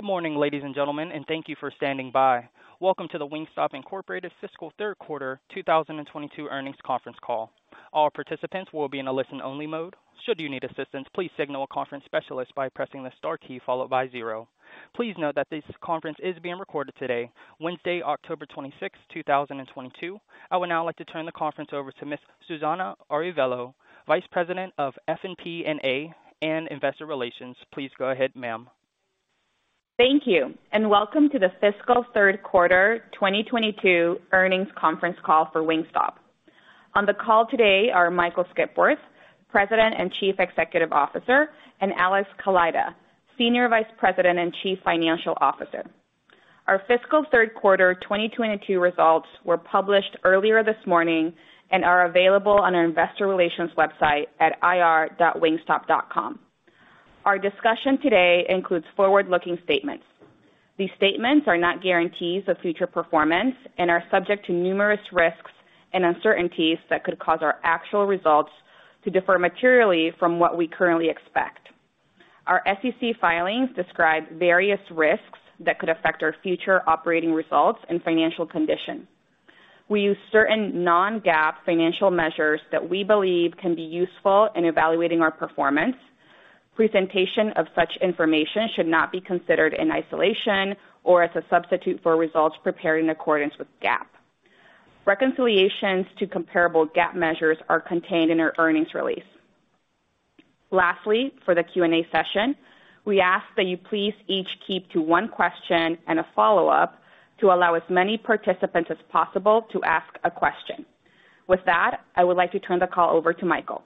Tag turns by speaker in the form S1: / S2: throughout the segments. S1: Good morning, ladies and gentlemen, and thank you for standing by. Welcome to the Wingstop Inc. Fiscal Third Quarter 2022 Earnings Conference Call. All participants will be in a listen-only mode. Should you need assistance, please signal a conference specialist by pressing the star key followed by zero. Please note that this conference is being recorded today, Wednesday, October 26th, 2022. I would now like to turn the conference over to Ms. Susana Arevalo, Vice President of FP&A and Investor Relations. Please go ahead, ma'am.
S2: Thank you, and welcome to the Fiscal Third Quarter 2022 Earnings Conference Call for Wingstop. On the call today are Michael Skipworth, President and Chief Executive Officer, and Alex Kaleida, Senior Vice President and Chief Financial Officer. Our fiscal third quarter 2022 results were published earlier this morning and are available on our investor relations website at ir.wingstop.com. Our discussion today includes forward-looking statements. These statements are not guarantees of future performance and are subject to numerous risks and uncertainties that could cause our actual results to differ materially from what we currently expect. Our SEC filings describe various risks that could affect our future operating results and financial conditions. We use certain non-GAAP financial measures that we believe can be useful in evaluating our performance. Presentation of such information should not be considered in isolation or as a substitute for results prepared in accordance with GAAP. Reconciliations to comparable GAAP measures are contained in our earnings release. Lastly, for the Q&A session, we ask that you please each keep to one question and a follow-up to allow as many participants as possible to ask a question. With that, I would like to turn the call over to Michael.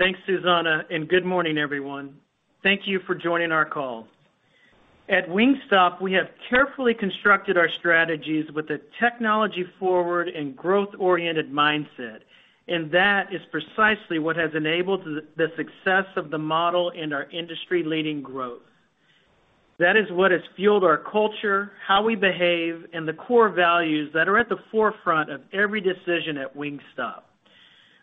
S3: Thanks Susana, and good morning, everyone. Thank you for joining our call. At Wingstop, we have carefully constructed our strategies with a technology-forward and growth-oriented mindset, and that is precisely what has enabled the success of the model and our industry-leading growth. That is what has fueled our culture, how we behave, and the core values that are at the forefront of every decision at Wingstop.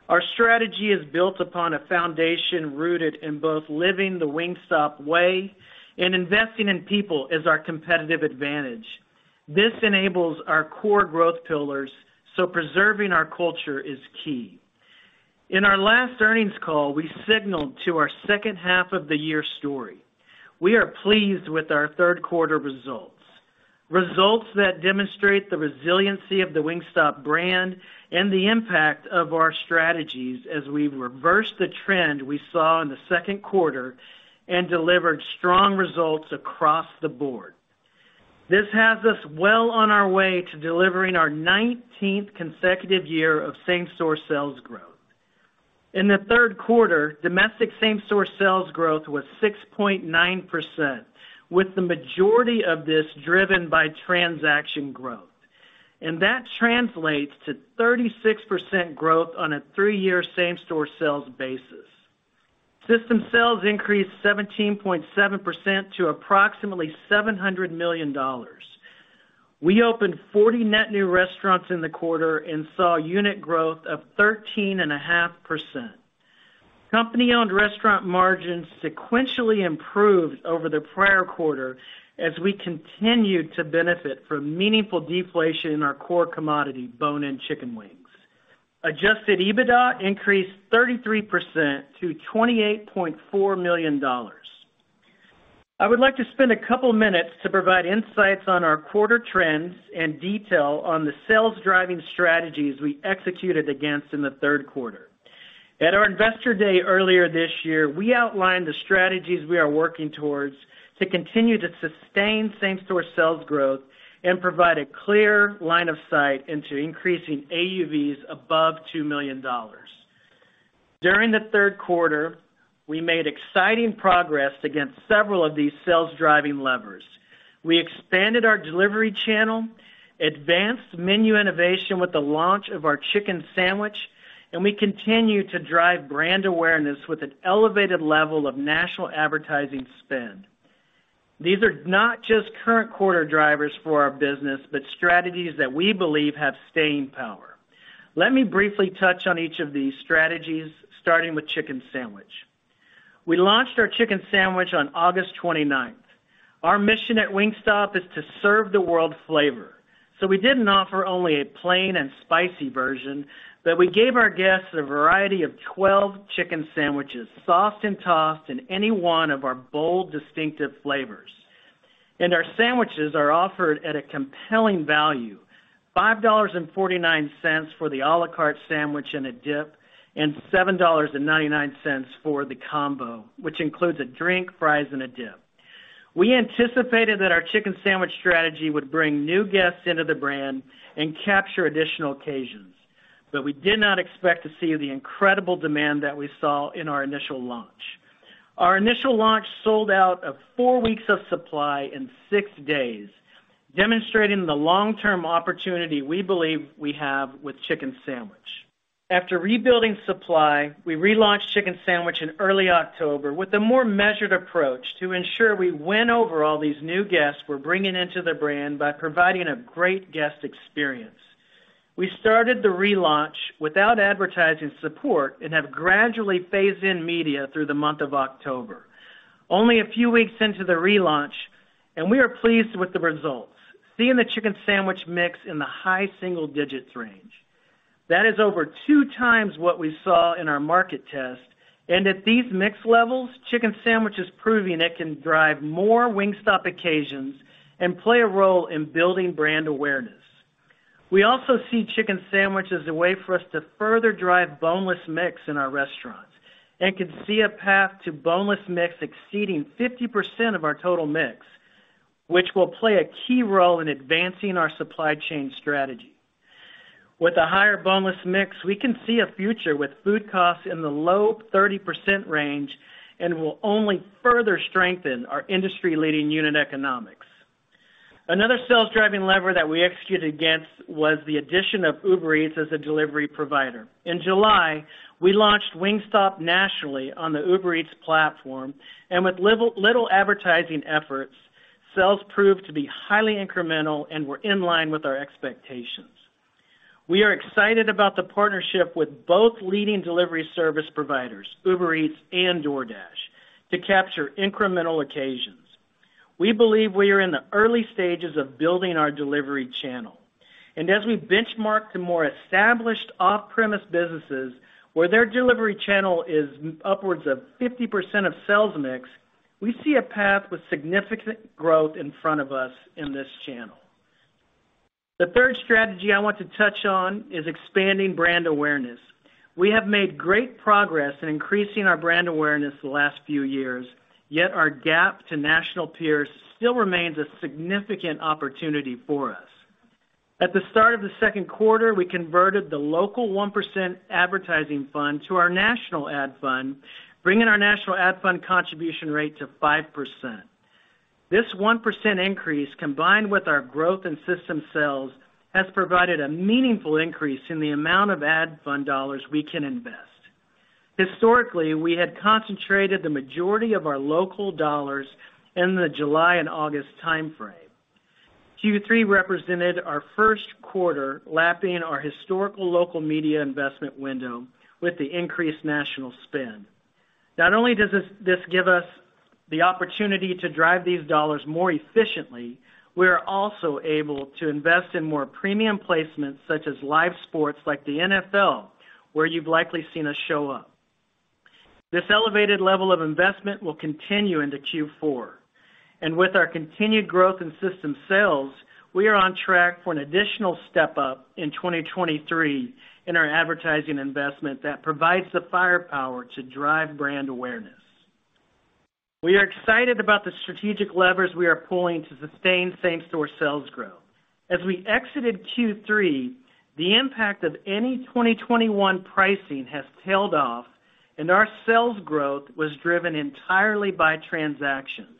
S3: Our strategy is built upon a foundation rooted in both living the Wingstop way and investing in people as our competitive advantage. This enables our core growth pillars, so preserving our culture is key. In our last earnings call, we signaled to our second half of the year story. We are pleased with our third quarter results. Results that demonstrate the resiliency of the Wingstop brand and the impact of our strategies as we reverse the trend we saw in the second quarter and delivered strong results across the board. This has us well on our way to delivering our 19th consecutive year of same-store sales growth. In the third quarter, domestic same-store sales growth was 6.9%, with the majority of this driven by transaction growth. That translates to 36% growth on a three-year same-store sales basis. System sales increased 17.7% to approximately $700 million. We opened 40 net new restaurants in the quarter and saw unit growth of 13.5%. Company-owned restaurant margins sequentially improved over the prior quarter as we continued to benefit from meaningful deflation in our core commodity, bone-in chicken wings. Adjusted EBITDA increased 33%-$28.4 million. I would like to spend a couple minutes to provide insights on our quarter trends and detail on the sales-driving strategies we executed against in the third quarter. At our Investor Day earlier this year, we outlined the strategies we are working towards to continue to sustain same-store sales growth and provide a clear line of sight into increasing AUVs above $2 million. During the third quarter, we made exciting progress against several of these sales-driving levers. We expanded our delivery channel, advanced menu innovation with the launch of our Chicken Sandwich, and we continue to drive brand awareness with an elevated level of national advertising spend. These are not just current quarter drivers for our business, but strategies that we believe have staying power. Let me briefly touch on each of these strategies, starting with Chicken Sandwich. We launched our Chicken Sandwich on August 29th. Our mission at Wingstop is to serve the world flavor. We didn't offer only a plain and spicy version, but we gave our guests a variety of 12 chicken sandwiches, soft and tossed in any one of our bold, distinctive flavors. Our sandwiches are offered at a compelling value, $5.49 for the à la carte sandwich and a dip, and $7.99 for the combo, which includes a drink, fries, and a dip. We anticipated that our Chicken Sandwich strategy would bring new guests into the brand and capture additional occasions, but we did not expect to see the incredible demand that we saw in our initial launch. Our initial launch sold out of four weeks of supply in six days, demonstrating the long-term opportunity we believe we have with Chicken Sandwich. After rebuilding supply, we relaunched Chicken Sandwich in early October with a more measured approach to ensure we win over all these new guests we're bringing into the brand by providing a great guest experience. We started the relaunch without advertising support and have gradually phased in media through the month of October. Only a few weeks into the relaunch, and we are pleased with the results, seeing the Chicken Sandwich mix in the high single digits range. That is over 2x what we saw in our market test. At these mix levels, Chicken Sandwich is proving it can drive more Wingstop occasions and play a role in building brand awareness. We also see Chicken Sandwich as a way for us to further drive boneless mix in our restaurants, and can see a path to boneless mix exceeding 50% of our total mix, which will play a key role in advancing our supply chain strategy. With a higher boneless mix, we can see a future with food costs in the low 30% range, and will only further strengthen our industry-leading unit economics. Another sales-driving lever that we executed against was the addition of Uber Eats as a delivery provider. In July, we launched Wingstop nationally on the Uber Eats platform, and with little advertising efforts, sales proved to be highly incremental and were in line with our expectations. We are excited about the partnership with both leading delivery service providers, Uber Eats and DoorDash, to capture incremental occasions. We believe we are in the early stages of building our delivery channel. As we benchmark the more established off-premise businesses, where their delivery channel is upwards of 50% of sales mix, we see a path with significant growth in front of us in this channel. The third strategy I want to touch on is expanding brand awareness. We have made great progress in increasing our brand awareness the last few years, yet our gap to national peers still remains a significant opportunity for us. At the start of the second quarter, we converted the local 1% advertising fund to our national ad fund, bringing our national ad fund contribution rate to 5%. This 1% increase, combined with our growth in system sales, has provided a meaningful increase in the amount of ad fund dollars we can invest. Historically, we had concentrated the majority of our local dollars in the July and August timeframe. Q3 represented our first quarter lapping our historical local media investment window with the increased national spend. Not only does this give us the opportunity to drive these dollars more efficiently, we are also able to invest in more premium placements such as live sports, like the NFL, where you've likely seen us show up. This elevated level of investment will continue into Q4. With our continued growth in system sales, we are on track for an additional step-up in 2023 in our advertising investment that provides the firepower to drive brand awareness. We are excited about the strategic levers we are pulling to sustain same-store sales growth. As we exited Q3, the impact of any 2021 pricing has tailed off, and our sales growth was driven entirely by transactions,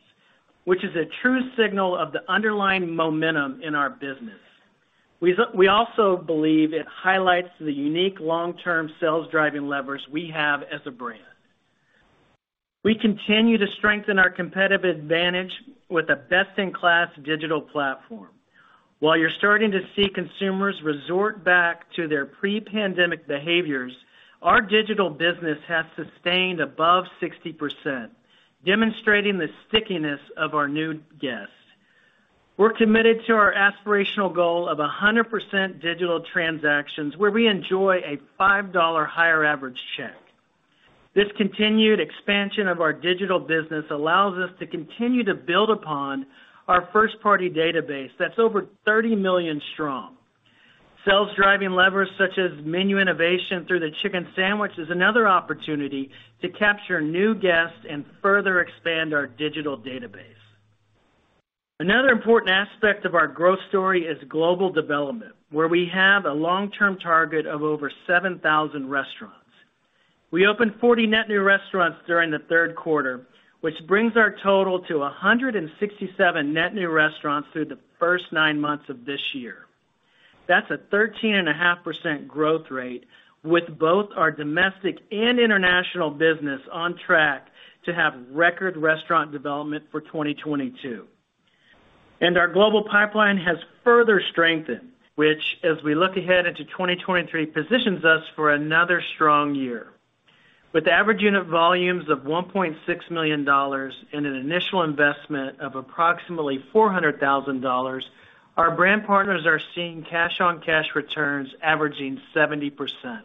S3: which is a true signal of the underlying momentum in our business. We also believe it highlights the unique long-term sales-driving levers we have as a brand. We continue to strengthen our competitive advantage with a best-in-class digital platform. While you're starting to see consumers resort back to their pre-pandemic behaviors, our digital business has sustained above 60%, demonstrating the stickiness of our new guests. We're committed to our aspirational goal of 100% digital transactions, where we enjoy a $5 higher average check. This continued expansion of our digital business allows us to continue to build upon our first-party database that's over 30 million strong. Sales-driving levers such as menu innovation through the Chicken Sandwich is another opportunity to capture new guests and further expand our digital database. Another important aspect of our growth story is global development, where we have a long-term target of over 7,000 restaurants. We opened 40 net new restaurants during the third quarter, which brings our total to 167 net new restaurants through the first nine months of this year. That's a 13.5% growth rate, with both our domestic and international business on track to have record restaurant development for 2022. Our global pipeline has further strengthened, which, as we look ahead into 2023, positions us for another strong year. With average unit volumes of $1.6 million and an initial investment of approximately $400,000, our brand partners are seeing cash-on-cash returns averaging 70%.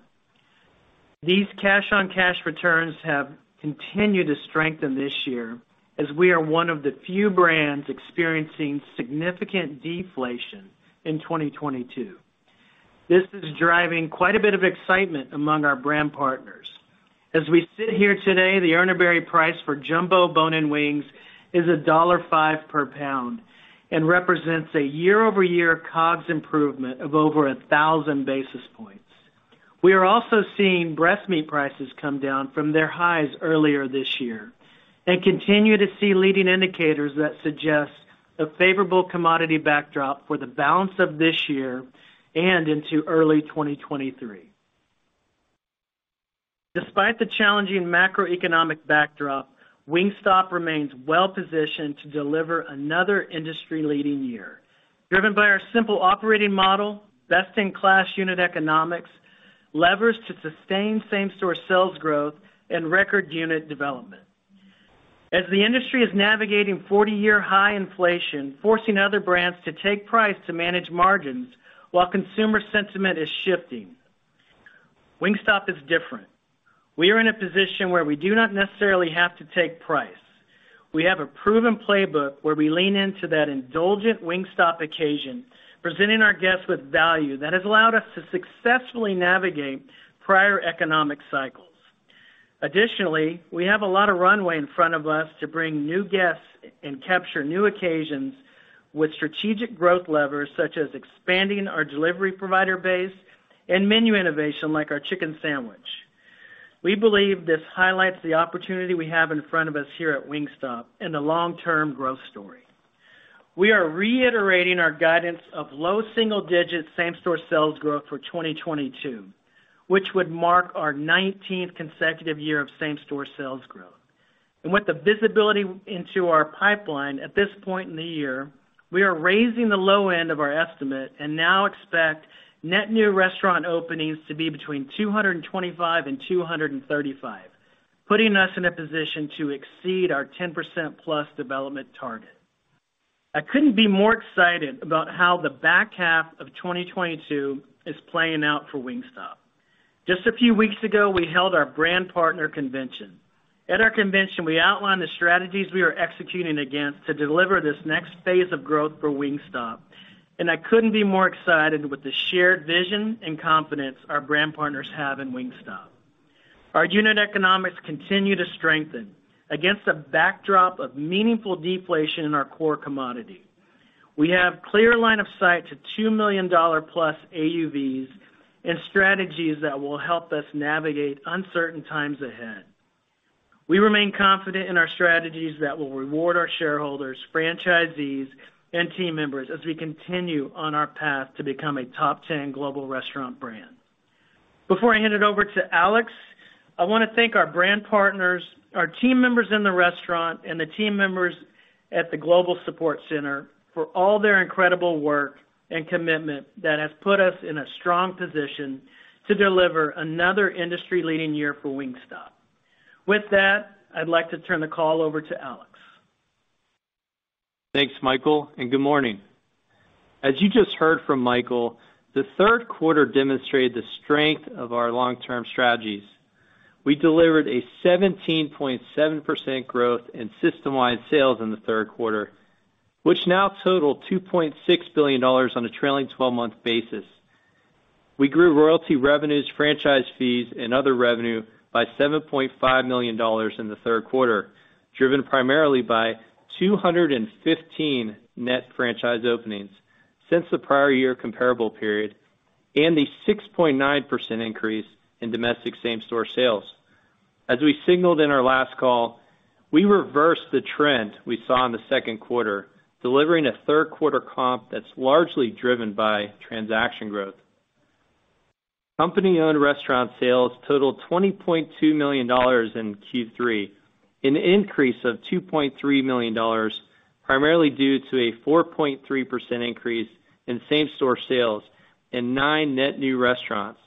S3: These cash-on-cash returns have continued to strengthen this year, as we are one of the few brands experiencing significant deflation in 2022. This is driving quite a bit of excitement among our brand partners. As we sit here today, the Urner Barry price for jumbo bone-in wings is $1.05 per pound and represents a year-over-year COGS improvement of over 1,000 basis points. We are also seeing breast meat prices come down from their highs earlier this year and continue to see leading indicators that suggest a favorable commodity backdrop for the balance of this year and into early 2023. Despite the challenging macroeconomic backdrop, Wingstop remains well-positioned to deliver another industry-leading year, driven by our simple operating model, best-in-class unit economics, levers to sustain same-store sales growth, and record unit development. As the industry is navigating 40-year high inflation, forcing other brands to take price to manage margins while consumer sentiment is shifting, Wingstop is different. We are in a position where we do not necessarily have to take price. We have a proven playbook where we lean into that indulgent Wingstop occasion, presenting our guests with value that has allowed us to successfully navigate prior economic cycles. Additionally, we have a lot of runway in front of us to bring new guests and capture new occasions with strategic growth levers such as expanding our delivery provider base and menu innovation like our Chicken Sandwich. We believe this highlights the opportunity we have in front of us here at Wingstop and the long-term growth story. We are reiterating our guidance of low single-digit same-store sales growth for 2022, which would mark our 19th consecutive year of same-store sales growth. With the visibility into our pipeline at this point in the year, we are raising the low end of our estimate and now expect net new restaurant openings to be between 225 and 235, putting us in a position to exceed our 10%+ development target. I couldn't be more excited about how the back half of 2022 is playing out for Wingstop. Just a few weeks ago, we held our brand partner convention. At our convention, we outlined the strategies we are executing against to deliver this next phase of growth for Wingstop, and I couldn't be more excited with the shared vision and confidence our brand partners have in Wingstop. Our unit economics continue to strengthen against a backdrop of meaningful deflation in our core commodity. We have clear line of sight to $2+ million AUVs and strategies that will help us navigate uncertain times ahead. We remain confident in our strategies that will reward our shareholders, franchisees, and team members as we continue on our path to become a top ten global restaurant brand. Before I hand it over to Alex, I want to thank our brand partners, our team members in the restaurant, and the team members at the Global Support Center for all their incredible work and commitment that has put us in a strong position to deliver another industry-leading year for Wingstop. With that, I'd like to turn the call over to Alex.
S4: Thanks, Michael, and good morning. As you just heard from Michael, the third quarter demonstrated the strength of our long-term strategies. We delivered a 17.7% growth in system-wide sales in the third quarter, which now total $2.6 billion on a trailing 12-month basis. We grew royalty revenues, franchise fees, and other revenue by $7.5 million in the third quarter, driven primarily by 215 net franchise openings since the prior year comparable period and a 6.9% increase in domestic same-store sales. As we signaled in our last call, we reversed the trend we saw in the second quarter, delivering a third quarter comp that's largely driven by transaction growth. Company-owned restaurant sales totaled $20.2 million in Q3, an increase of $2.3 million, primarily due to a 4.3% increase in same-store sales in 9 net new restaurants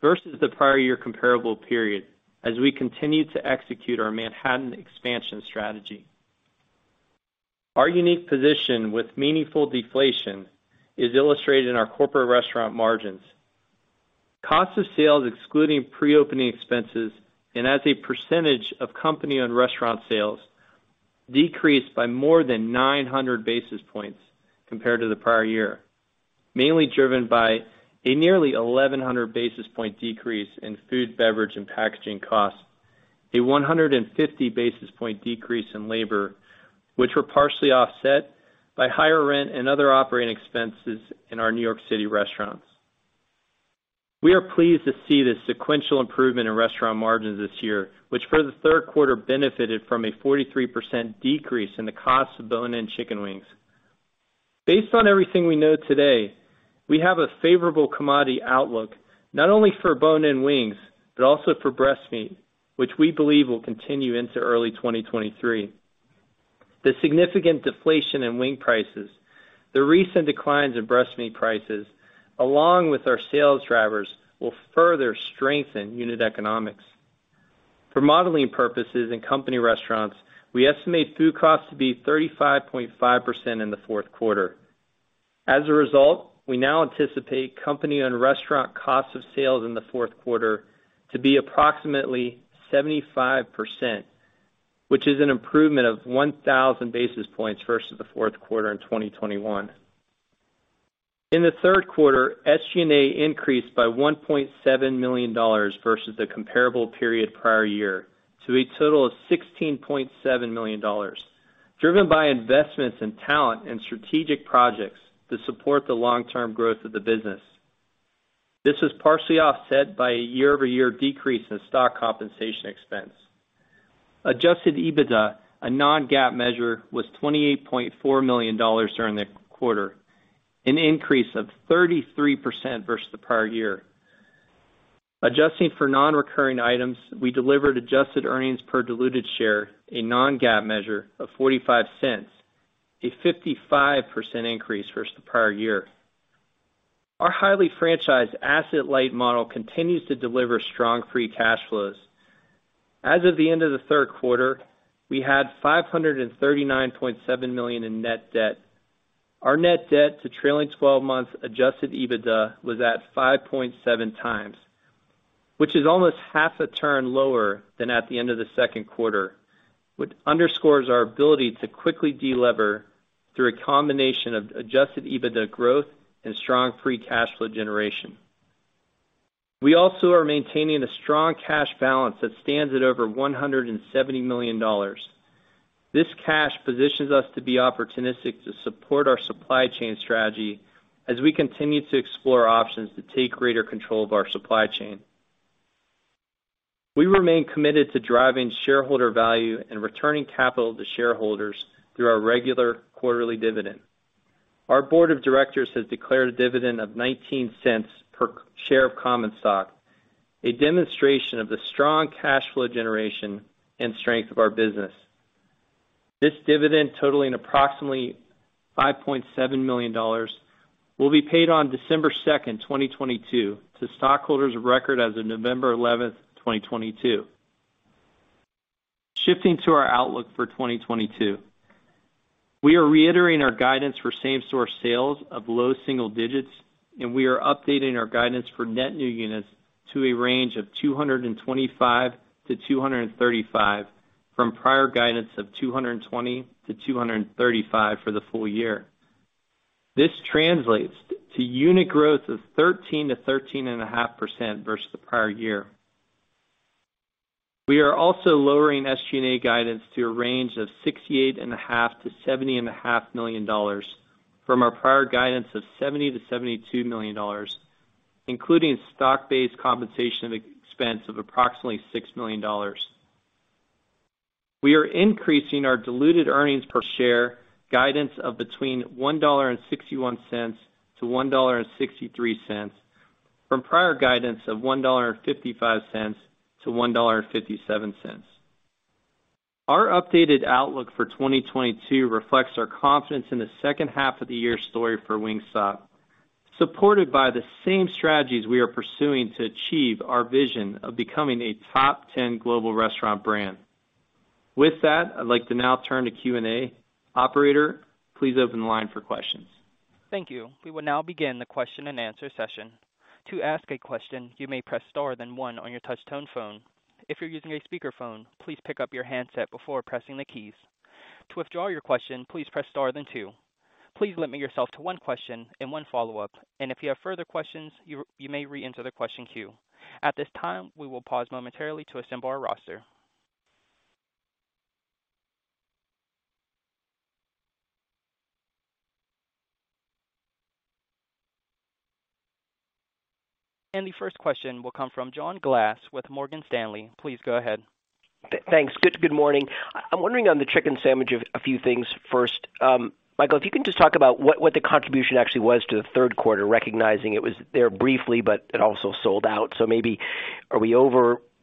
S4: versus the prior year comparable period as we continued to execute our Manhattan expansion strategy. Our unique position with meaningful deflation is illustrated in our corporate restaurant margins. Cost of sales excluding pre-opening expenses and as a percentage of company-owned restaurant sales decreased by more than 900 basis points compared to the prior year, mainly driven by a nearly 1,100 basis point decrease in food, beverage, and packaging costs, a 150 basis point decrease in labor, which were partially offset by higher rent and other operating expenses in our New York City restaurants. We are pleased to see the sequential improvement in restaurant margins this year, which for the third quarter benefited from a 43% decrease in the cost of bone-in chicken wings. Based on everything we know today, we have a favorable commodity outlook, not only for bone-in wings, but also for breast meat, which we believe will continue into early 2023. The significant deflation in wing prices, the recent declines in breast meat prices, along with our sales drivers, will further strengthen unit economics. For modeling purposes in company restaurants, we estimate food costs to be 35.5% in the fourth quarter. As a result, we now anticipate company and restaurant cost of sales in the fourth quarter to be approximately 75%, which is an improvement of 1,000 basis points versus the fourth quarter in 2021. In the third quarter, SG&A increased by $1.7 million versus the comparable period prior year to a total of $16.7 million, driven by investments in talent and strategic projects to support the long-term growth of the business. This was partially offset by a year-over-year decrease in stock compensation expense. Adjusted EBITDA, a non-GAAP measure, was $28.4 million during the quarter, an increase of 33% versus the prior year. Adjusting for non-recurring items, we delivered adjusted earnings per diluted share, a non-GAAP measure of $0.45, a 55% increase versus the prior year. Our highly franchised asset light model continues to deliver strong free cash flows. As of the end of the third quarter, we had $539.7 million in net debt. Our net debt to trailing 12 months Adjusted EBITDA was at 5.7x, which is almost half a turn lower than at the end of the second quarter, which underscores our ability to quickly delever through a combination of Adjusted EBITDA growth and strong free cash flow generation. We also are maintaining a strong cash balance that stands at over $170 million. This cash positions us to be opportunistic to support our supply chain strategy as we continue to explore options to take greater control of our supply chain. We remain committed to driving shareholder value and returning capital to shareholders through our regular quarterly dividend. Our board of directors has declared a dividend of $0.19 per share of common stock, a demonstration of the strong cash flow generation and strength of our business. This dividend, totaling approximately $5.7 million, will be paid on December 2, 2022 to stockholders of record as of November 11, 2022. Shifting to our outlook for 2022. We are reiterating our guidance for same-store sales of low single digits%, and we are updating our guidance for net new units to a range of 225-235 from prior guidance of 220-235 for the full year. This translates to unit growth of 13%-13.5% versus the prior year. We are also lowering SG&A guidance to a range of $68.5 million-$70.5 million from our prior guidance of $70 million-$72 million, including stock-based compensation expense of approximately $6 million. We are increasing our diluted earnings per share guidance of between $1.61-$1.63 from prior guidance of $1.55-$1.57. Our updated outlook for 2022 reflects our confidence in the second half of the year story for Wingstop, supported by the same strategies we are pursuing to achieve our vision of becoming a top ten global restaurant brand. With that, I'd like to now turn to Q&A. Operator, please open the line for questions.
S1: Thank you. We will now begin the question and answer session. To ask a question, you may press star then one on your touch tone phone. If you're using a speakerphone, please pick up your handset before pressing the keys. To withdraw your question, please press star then two. Please limit yourself to one question and one follow-up, and if you have further questions, you may reenter the question queue. At this time, we will pause momentarily to assemble our roster. The first question will come from John Glass with Morgan Stanley. Please go ahead.
S5: Thanks good morning. I'm wondering on the Chicken Sandwich a few things first. Michael, if you can just talk about what the contribution actually was to the third quarter, recognizing it was there briefly, but it also sold out. Maybe are we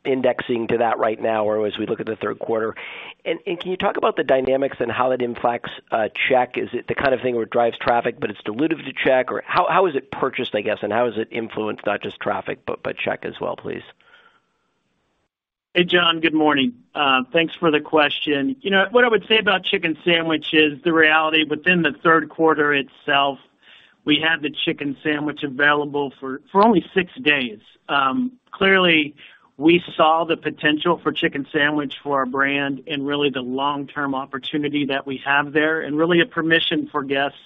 S5: over-indexing to that right now or as we look at the third quarter? Can you talk about the dynamics and how it impacts check? Is it the kind of thing where it drives traffic but it's dilutive to check? Or how is it purchased, I guess? How does it influence not just traffic, but check as well, please?
S3: Hey John good morning. Thanks for the question. You know what I would say about Chicken Sandwich is the reality within the third quarter itself, we had the Chicken Sandwich available for only six days. Clearly we saw the potential for Chicken Sandwich for our brand and really the long-term opportunity that we have there and really a permission for guests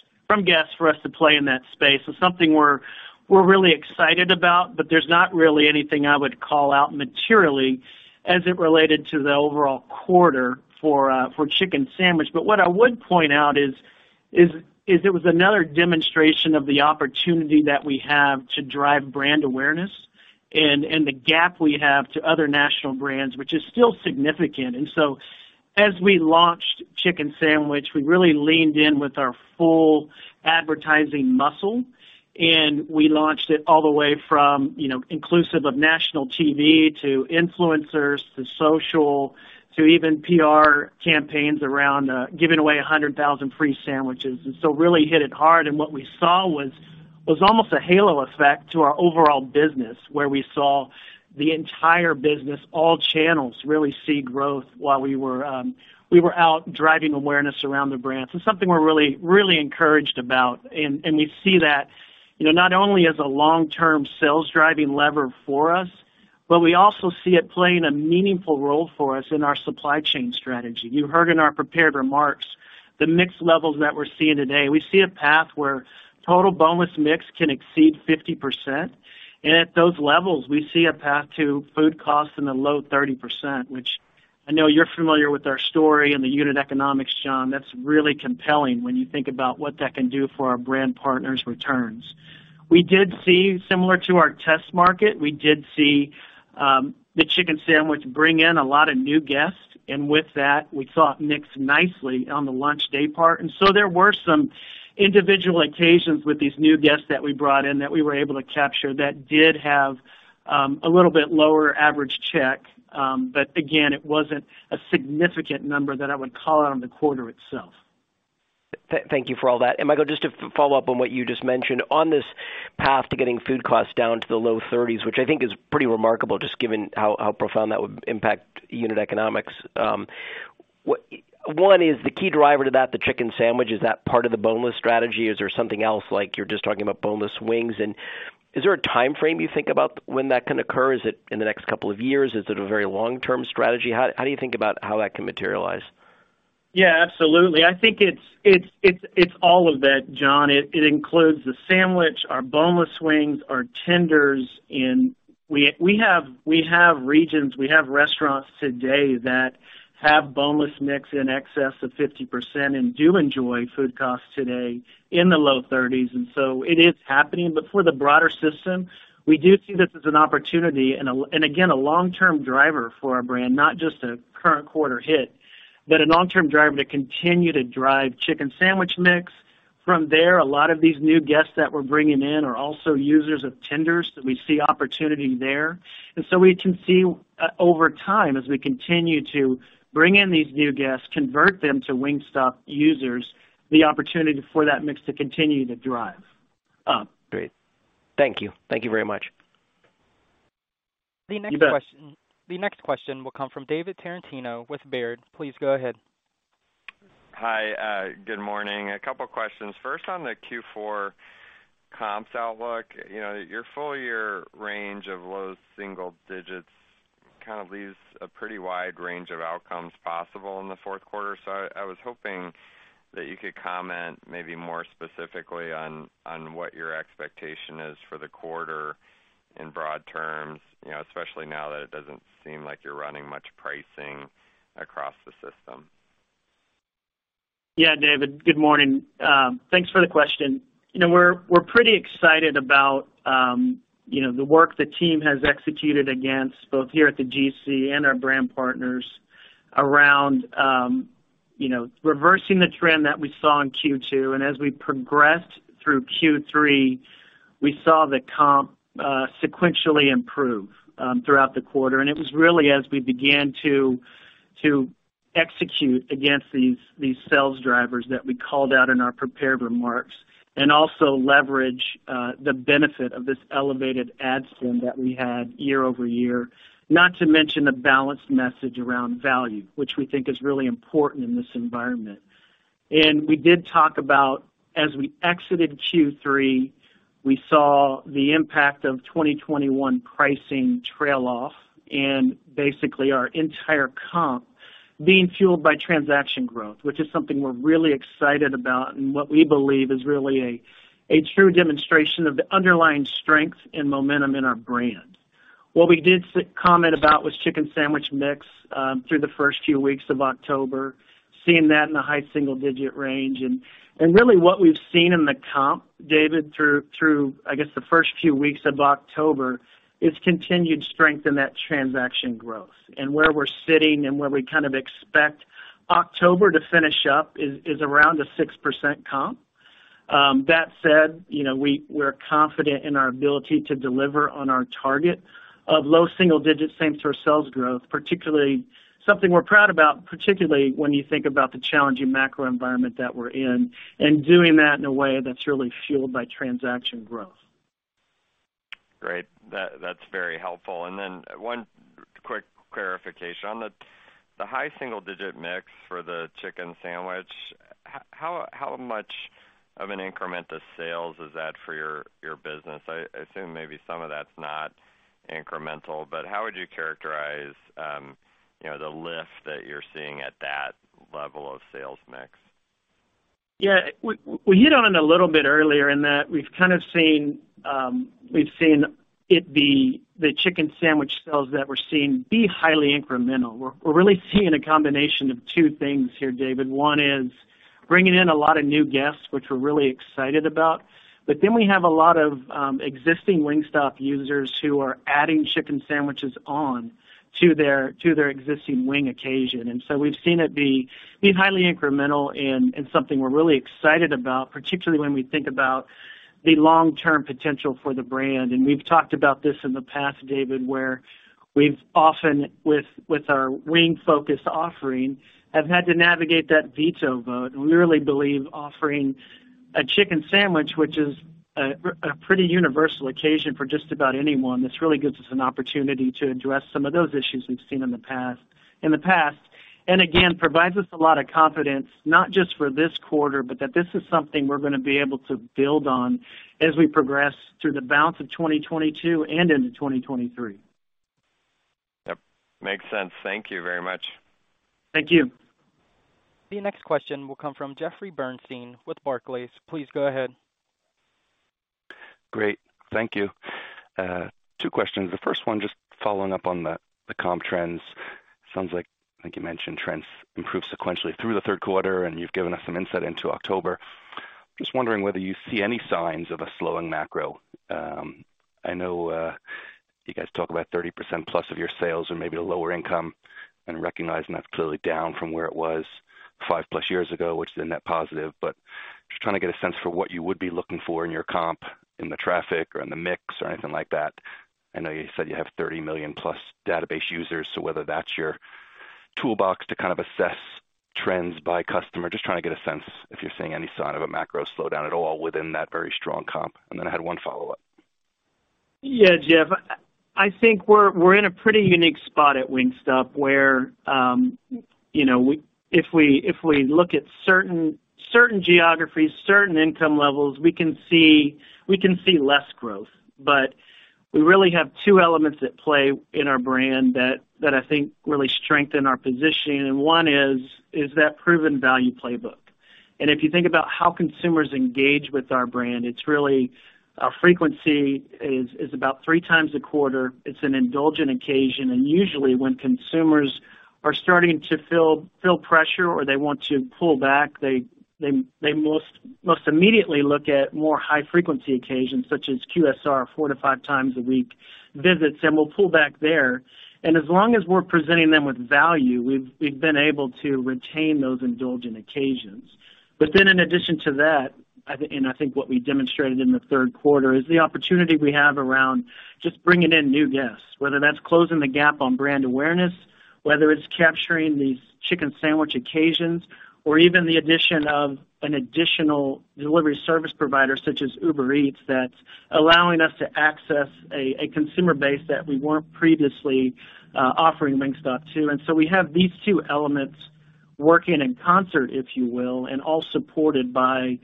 S3: for us to play in that space. It's something we're really excited about, but there's not really anything I would call out materially as it related to the overall quarter for Chicken Sandwich. What I would point out is it was another demonstration of the opportunity that we have to drive brand awareness and the gap we have to other national brands, which is still significant. As we launched Chicken Sandwich, we really leaned in with our full advertising muscle, and we launched it all the way from, you know, inclusive of national TV to influencers, to social, to even PR campaigns around giving away 100,000 free sandwiches. Really hit it hard. What we saw was almost a halo effect to our overall business, where we saw the entire business, all channels really see growth while we were out driving awareness around the brand. Something we're really, really encouraged about. We see that, you know, not only as a long-term sales driving lever for us, but we also see it playing a meaningful role for us in our supply chain strategy. You heard in our prepared remarks the mix levels that we're seeing today. We see a path where total boneless mix can exceed 50%. At those levels, we see a path to food costs in the low 30%, which I know you're familiar with our story and the unit economics, John. That's really compelling when you think about what that can do for our brand partners' returns. We did see, similar to our test market, the Chicken Sandwich bring in a lot of new guests, and with that, we saw it mix nicely on the launch day part. There were some individual occasions with these new guests that we brought in that we were able to capture that did have a little bit lower average check. Again, it wasn't a significant number that I would call out on the quarter itself.
S5: Thank you for all that Michael just to follow up on what you just mentioned. On this path to getting food costs down to the low 30s%, which I think is pretty remarkable, just given how profound that would impact unit economics. One, is the key driver to that the Chicken Sandwich? Is that part of the boneless strategy? Is there something else like you're just talking about boneless wings? And is there a timeframe you think about when that can occur? Is it in the next couple of years? Is it a very long-term strategy? How do you think about how that can materialize?
S3: Yeah, absolutely. I think it's all of that, John. It includes the sandwich, our boneless wings, our tenders. We have regions, we have restaurants today that have boneless mix in excess of 50% and do enjoy food costs today in the low 30s%. It is happening. For the broader system, we do see this as an opportunity and again, a long-term driver for our brand, not just a current quarter hit, but a long-term driver to continue to drive chicken sandwich mix. From there, a lot of these new guests that we're bringing in are also users of tenders, so we see opportunity there. We can see, over time, as we continue to bring in these new guests, convert them to Wingstop users, the opportunity for that mix to continue to drive.
S5: Oh, great. Thank you. Thank you very much.
S3: You bet.
S1: The next question will come from David Tarantino with Baird. Please go ahead.
S6: Hi. Good morning. A couple questions. First, on the Q4 comps outlook. You know, your full year range of low single digits kind of leaves a pretty wide range of outcomes possible in the fourth quarter. I was hoping that you could comment maybe more specifically on what your expectation is for the quarter in broad terms, you know, especially now that it doesn't seem like you're running much pricing across the system.
S3: Yeah David good morning. Thanks for the question. You know, we're pretty excited about, you know, the work the team has executed against both here at the GSC and our brand partners around, you know, reversing the trend that we saw in Q2. As we progressed through Q3, we saw the comps sequentially improve throughout the quarter. It was really as we began to execute against these sales drivers that we called out in our prepared remarks, and also leverage the benefit of this elevated ad spend that we had year-over-year. Not to mention a balanced message around value, which we think is really important in this environment. We did talk about as we exited Q3, we saw the impact of 2021 pricing trail off and basically our entire comp being fueled by transaction growth, which is something we're really excited about and what we believe is really a true demonstration of the underlying strength and momentum in our brand. What we did comment about was Chicken Sandwich mix through the first few weeks of October, seeing that in the high single digit range. Really what we've seen in the comp, David, through, I guess, the first few weeks of October, is continued strength in that transaction growth. Where we're sitting and where we kind of expect October to finish up is around a 6% comp. That said, you know, we're confident in our ability to deliver on our target of low single digits same-store sales growth, particularly something we're proud about, particularly when you think about the challenging macro environment that we're in, and doing that in a way that's really fueled by transaction growth.
S6: Great. That's very helpful. One quick clarification. On the high single-digit mix for the Chicken Sandwich, how much of an increment to sales is that for your business? I assume maybe some of that's not incremental, but how would you characterize, you know, the lift that you're seeing at that level of sales mix?
S3: Yeah. We hit on it a little bit earlier in that we've kind of seen it be the Chicken Sandwich sales that we're seeing be highly incremental. We're really seeing a combination of two things here, David. One is bringing in a lot of new guests, which we're really excited about, but then we have a lot of existing Wingstop users who are adding Chicken Sandwiches on to their existing wing occasion. We've seen it be highly incremental and something we're really excited about, particularly when we think about the long-term potential for the brand. We've talked about this in the past, David, where we've often with our wing-focused offering have had to navigate that veto vote. We really believe offering a Chicken Sandwich, which is a pretty universal occasion for just about anyone, this really gives us an opportunity to address some of those issues we've seen in the past. Provides us a lot of confidence, not just for this quarter, but that this is something we're gonna be able to build on as we progress through the balance of 2022 and into 2023.
S6: Yep. Makes sense. Thank you very much.
S3: Thank you.
S1: The next question will come from Jeffrey Bernstein with Barclays. Please go ahead.
S7: Great. Thank you. Two questions. The first one, just following up on the comp trends. Sounds like, I think you mentioned trends improved sequentially through the third quarter, and you've given us some insight into October. Just wondering whether you see any signs of a slowing macro. I know you guys talk about 30%+ of your sales or maybe a lower income, and recognizing that's clearly down from where it was 5+ years ago, which is a net positive. Just trying to get a sense for what you would be looking for in your comp in the traffic or in the mix or anything like that. I know you said you have 30+ million database users, so whether that's your toolbox to kind of assess trends by customer. Just trying to get a sense if you're seeing any sign of a macro slowdown at all within that very strong comp. I had one follow-up.
S3: Yeah, Jeff. I think we're in a pretty unique spot at Wingstop where, you know, if we look at certain geographies, certain income levels, we can see less growth. We really have two elements at play in our brand that I think really strengthen our positioning. One is that proven value playbook. If you think about how consumers engage with our brand, it's really our frequency is about 3x a quarter. It's an indulgent occasion. Usually, when consumers are starting to feel pressure, or they want to pull back, they most immediately look at more high-frequency occasions, such as QSR, four to 5x a week visits, and will pull back there. As long as we're presenting them with value, we've been able to retain those indulgent occasions. In addition to that, and I think what we demonstrated in the third quarter is the opportunity we have around just bringing in new guests, whether that's closing the gap on brand awareness, whether it's capturing these Chicken Sandwich occasions or even the addition of an additional delivery service provider such as Uber Eats, that's allowing us to access a consumer base that we weren't previously offering Wingstop to. We have these two elements working in concert, if you will, and all supported by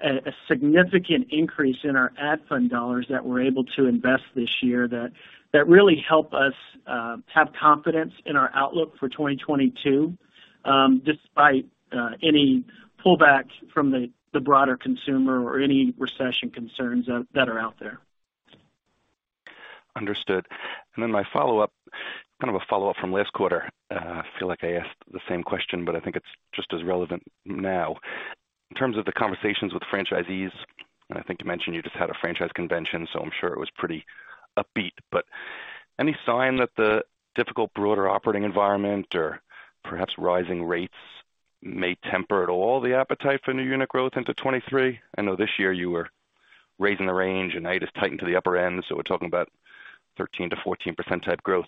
S3: a significant increase in our ad fund dollars that we're able to invest this year that really helps us have confidence in our outlook for 2022, despite any pullback from the broader consumer or any recession concerns that are out there.
S7: Understood. My follow-up, kind of a follow-up from last quarter. I feel like I asked the same question, but I think it's just as relevant now. In terms of the conversations with franchisees, and I think you mentioned you just had a franchise convention, so I'm sure it was pretty upbeat. Any sign that the difficult broader operating environment or perhaps rising rates may temper at all the appetite for new unit growth into 2023? I know this year you were raising the range, and now you just tightened to the upper end. We're talking about 13%-14% type growth.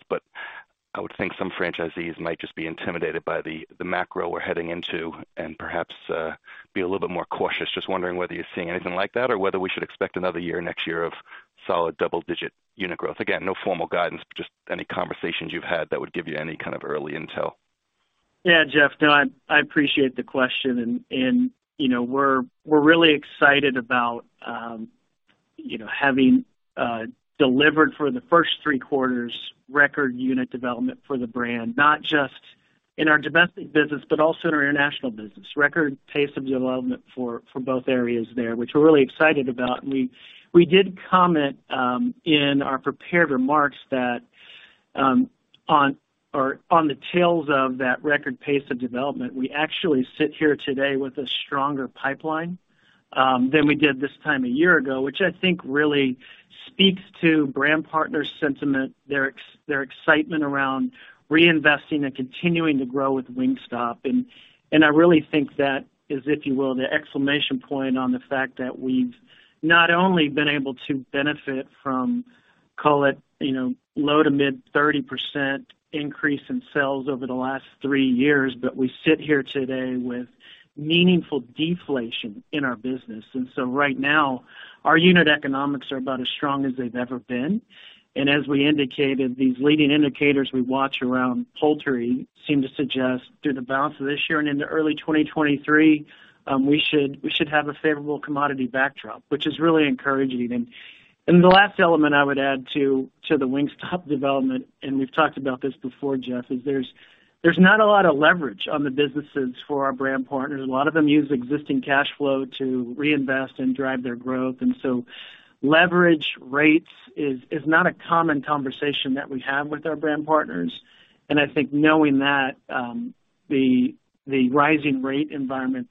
S7: I would think some franchisees might just be intimidated by the macro we're heading into and perhaps be a little bit more cautious. Just wondering whether you're seeing anything like that or whether we should expect another year next year of solid double-digit unit growth. Again, no formal guidance, but just any conversations you've had that would give you any kind of early intel.
S3: Yeah. Jeff, I appreciate the question. You know, we're really excited about having delivered for the first three quarters record unit development for the brand, not just in our domestic business, but also in our international business. Record pace of development for both areas there, which we're really excited about. We did comment in our prepared remarks that on the tails of that record pace of development, we actually sit here today with a stronger pipeline than we did this time a year ago, which I think really speaks to brand partner sentiment, their excitement around reinvesting and continuing to grow with Wingstop. I really think that is, if you will, the exclamation point on the fact that we've not only been able to benefit from, call it, you know, low- to mid-30% increase in sales over the last three years, but we sit here today with meaningful deflation in our business. Right now, our unit economics are about as strong as they've ever been. As we indicated, these leading indicators we watch around poultry seem to suggest through the balance of this year and into early 2023, we should have a favorable commodity backdrop, which is really encouraging. The last element I would add to the Wingstop development, and we've talked about this before, Jeff, is there's not a lot of leverage on the businesses for our brand partners. A lot of them use existing cash flow to reinvest and drive their growth. Leverage rates is not a common conversation that we have with our brand partners. I think knowing that, the rising rate environment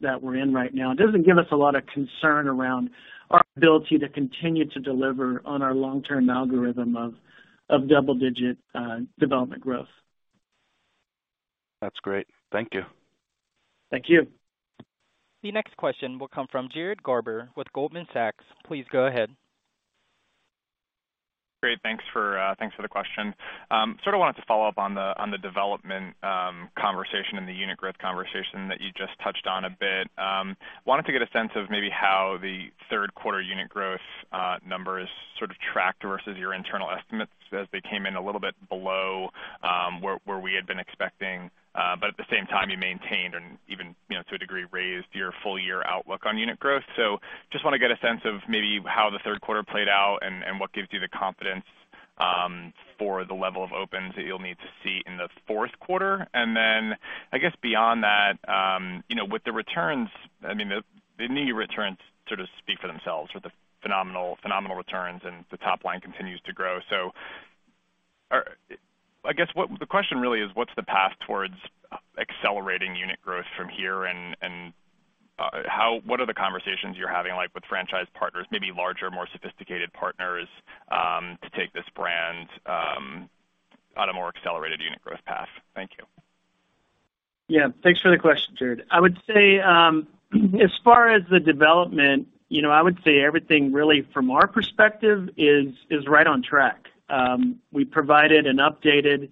S3: that we're in right now doesn't give us a lot of concern around our ability to continue to deliver on our long-term algorithm of double-digit development growth.
S7: That's great. Thank you.
S3: Thank you.
S1: The next question will come from Jared Garber with Goldman Sachs. Please go ahead.
S8: Great. Thanks for the question. Sort of wanted to follow up on the development conversation and the unit growth conversation that you just touched on a bit. Wanted to get a sense of maybe how the third quarter unit growth numbers sort of tracked versus your internal estimates as they came in a little bit below where we had been expecting. But at the same time, you maintained and even, you know, to a degree, raised your full year outlook on unit growth. Just wanna get a sense of maybe how the third quarter played out and what gives you the confidence for the level of opens that you'll need to see in the fourth quarter. Then I guess beyond that, you know, with the returns, I mean, the new returns sort of speak for themselves with the phenomenal returns and the top line continues to grow. The question really is, what's the path towards accelerating unit growth from here? What are the conversations you're having, like, with franchise partners, maybe larger, more sophisticated partners, to take this brand on a more accelerated unit growth path? Thank you.
S3: Yeah. Thanks for the question, Jared. I would say, as far as the development, you know, I would say everything really, from our perspective is right on track. We provided an updated,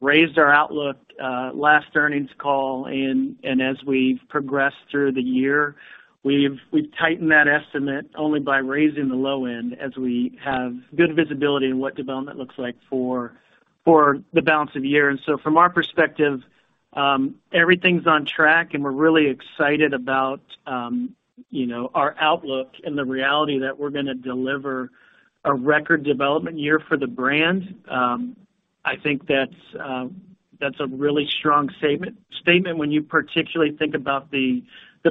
S3: raised our outlook, last earnings call, and as we've progressed through the year, we've tightened that estimate only by raising the low end as we have good visibility in what development looks like for the balance of the year. From our perspective, everything's on track, and we're really excited about, you know, our outlook and the reality that we're gonna deliver a record development year for the brand. I think that's a really strong statement when you particularly think about the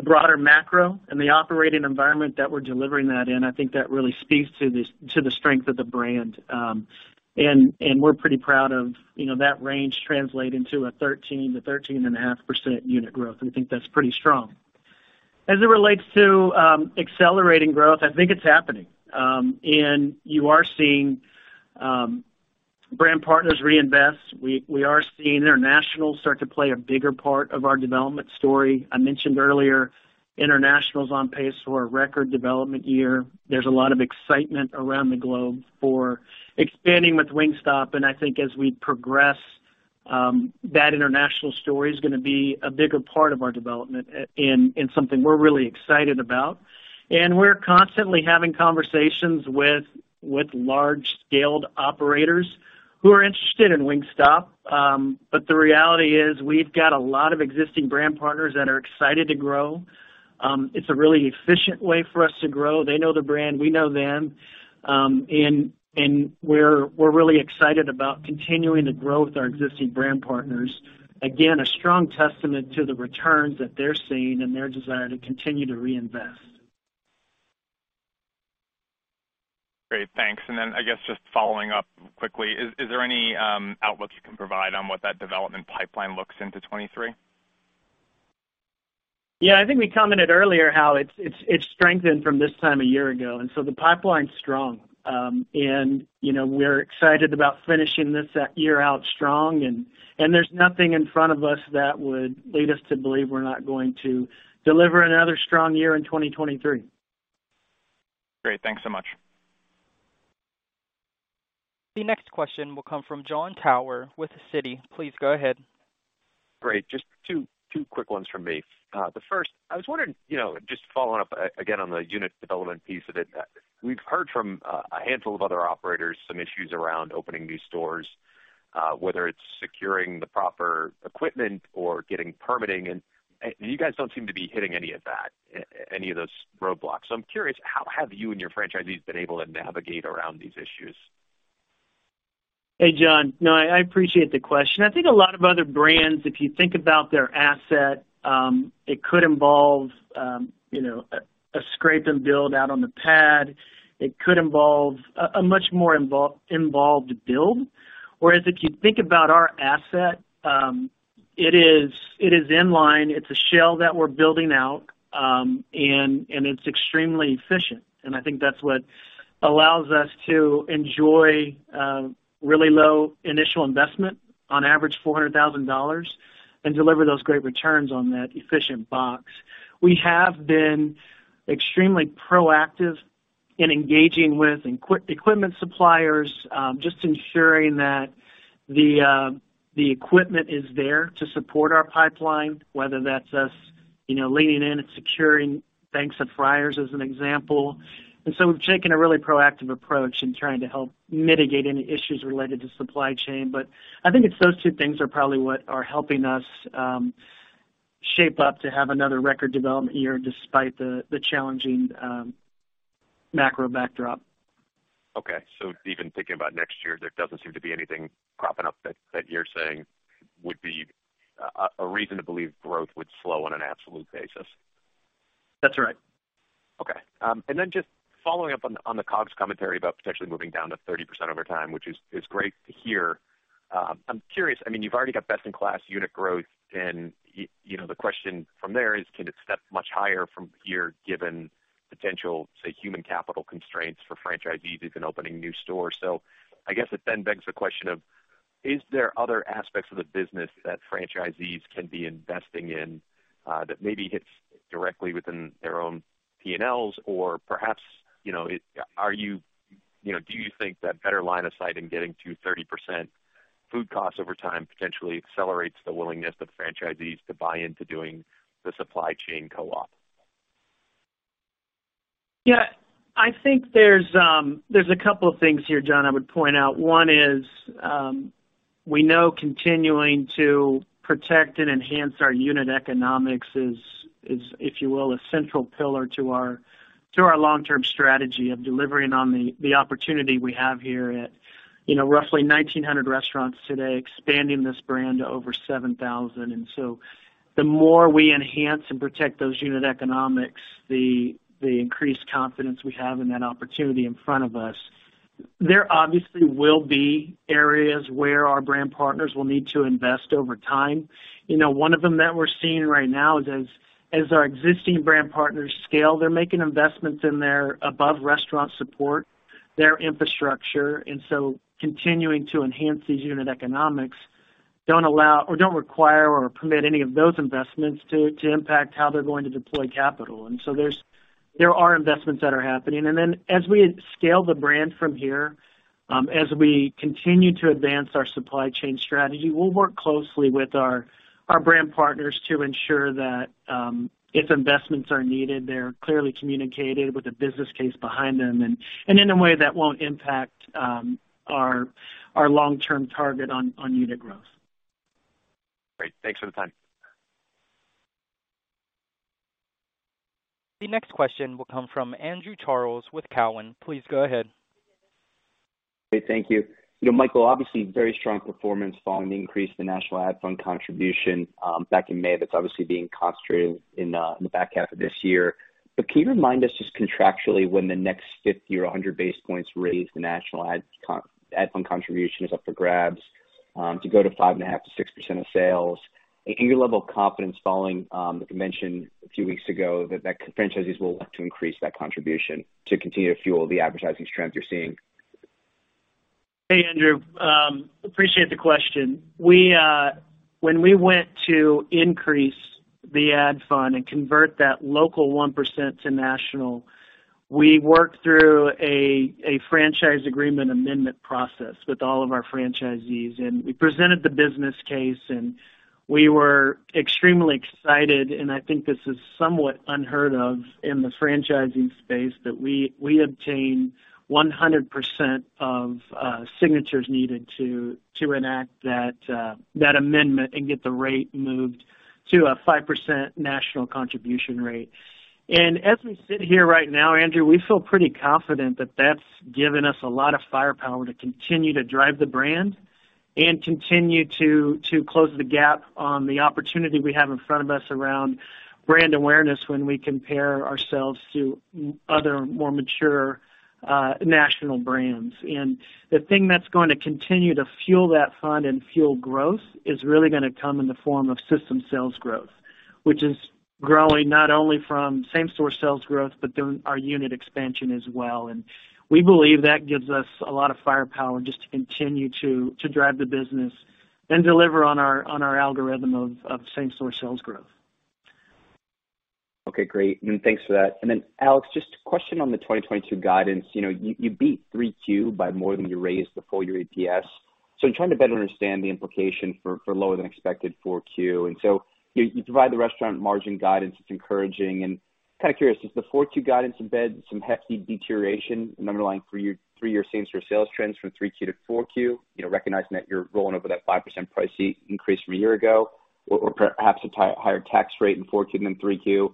S3: broader macro and the operating environment that we're delivering that in. I think that really speaks to the strength of the brand. We're pretty proud of, you know, that range translating to a 13%-13.5% unit growth. I think that's pretty strong. As it relates to accelerating growth, I think it's happening. You are seeing brand partners reinvest. We are seeing international start to play a bigger part of our development story. I mentioned earlier, international is on pace for a record development year. There's a lot of excitement around the globe for expanding with Wingstop, and I think as we progress, that international story is gonna be a bigger part of our development and something we're really excited about. We're constantly having conversations with large-scale operators who are interested in Wingstop. The reality is we've got a lot of existing brand partners that are excited to grow. It's a really efficient way for us to grow. They know the brand, we know them. And we're really excited about continuing to grow with our existing brand partners. Again, a strong testament to the returns that they're seeing and their desire to continue to reinvest.
S8: Great. Thanks. I guess just following up quickly. Is there any outlook you can provide on what that development pipeline looks into 2023?
S3: Yeah, I think we commented earlier how it's strengthened from this time a year ago, and so the pipeline's strong. You know, we're excited about finishing this year out strong, and there's nothing in front of us that would lead us to believe we're not going to deliver another strong year in 2023.
S8: Great. Thanks so much.
S1: The next question will come from Jon Tower with Citi. Please go ahead.
S9: Great. Just two quick ones from me. The first, I was wondering, you know, just following up again on the unit development piece of it. We've heard from a handful of other operators some issues around opening new stores, whether it's securing the proper equipment or getting permitting, and you guys don't seem to be hitting any of that, any of those roadblocks. I'm curious, how have you and your franchisees been able to navigate around these issues?
S3: Hey, Jon. No, I appreciate the question. I think a lot of other brands, if you think about their asset, it could involve, you know, a scrape and build out on the pad. It could involve a much more involved build. Whereas if you think about our asset, it is in line. It's a shell that we're building out, and it's extremely efficient. I think that's what allows us to enjoy really low initial investment, on average $400,000, and deliver those great returns on that efficient box. We have been extremely proactive in engaging with equipment suppliers, just ensuring that the equipment is there to support our pipeline, whether that's us, you know, leaning in and securing banks of fryers as an example. We've taken a really proactive approach in trying to help mitigate any issues related to supply chain. I think it's those two things are probably what are helping us shape up to have another record development year despite the challenging macro backdrop.
S9: Okay. Even thinking about next year, there doesn't seem to be anything cropping up that you're saying would be a reason to believe growth would slow on an absolute basis.
S3: That's right.
S9: Okay. Then just following up on the COGS commentary about potentially moving down to 30% over time, which is great to hear. I'm curious, I mean, you've already got best in class unit growth and you know, the question from there is, can it step much higher from here given potential, say, human capital constraints for franchisees who've been opening new stores? I guess it then begs the question of, is there other aspects of the business that franchisees can be investing in, that maybe hits directly within their own P&Ls? Perhaps, you know, do you think that better line of sight in getting to 30% food costs over time potentially accelerates the willingness of franchisees to buy into doing the supply chain co-op?
S3: Yeah. I think there's a couple of things here, Jon, I would point out. One is, we know continuing to protect and enhance our unit economics is, if you will, a central pillar to our long-term strategy of delivering on the opportunity we have here at, you know, roughly 1,900 restaurants today, expanding this brand to over 7,000. The more we enhance and protect those unit economics, the increased confidence we have in that opportunity in front of us. There obviously will be areas where our brand partners will need to invest over time. You know, one of them that we're seeing right now is as our existing brand partners scale, they're making investments in their above restaurant support, their infrastructure, and so continuing to enhance these unit economics don't allow or don't require or permit any of those investments to impact how they're going to deploy capital. There are investments that are happening. As we scale the brand from here, as we continue to advance our supply chain strategy, we'll work closely with our brand partners to ensure that if investments are needed, they're clearly communicated with a business case behind them and in a way that won't impact our long-term target on unit growth.
S9: Great. Thanks for the time.
S1: The next question will come from Andrew Charles with Cowen. Please go ahead.
S10: Hey thank you. You know, Michael, obviously very strong performance following the increase in the national ad fund contribution back in May. That's obviously being concentrated in the back half of this year. Can you remind us just contractually when the next 50 or 100 basis points raise the national ad fund contribution is up for grabs to go to 5.5%-6% of sales? And your level of confidence following the convention a few weeks ago that franchisees will look to increase that contribution to continue to fuel the advertising strength you're seeing.
S3: Hey Andrew appreciate the question. We, when we went to increase the ad fund and convert that local 1% to national, we worked through a franchise agreement amendment process with all of our franchisees. We presented the business case, and we were extremely excited, and I think this is somewhat unheard of in the franchising space, that we obtained 100% of signatures needed to enact that amendment and get the rate moved to a 5% national contribution rate. As we sit here right now, Andrew, we feel pretty confident that that's given us a lot of firepower to continue to drive the brand and continue to close the gap on the opportunity we have in front of us around brand awareness when we compare ourselves to other more mature national brands. The thing that's going to continue to fuel that fund and fuel growth is really gonna come in the form of system sales growth, which is growing not only from same-store sales growth, but through our unit expansion as well. We believe that gives us a lot of firepower just to continue to drive the business and deliver on our algorithm of same-store sales growth.
S10: Okay great thanks for that. Then, Alex, just a question on the 2022 guidance. You know, you beat 3Q by more than you raised the full year EPS. I'm trying to better understand the implication for lower than expected 4Q. You provide the restaurant margin guidance. It's encouraging and kind of curious, does the 4Q guidance embed some hefty deterioration in underlying three-year same-store sales trends from 3Q to 4Q, you know, recognizing that you're rolling over that 5% price increase from a year ago, or perhaps a slightly higher tax rate in 4Q than 3Q.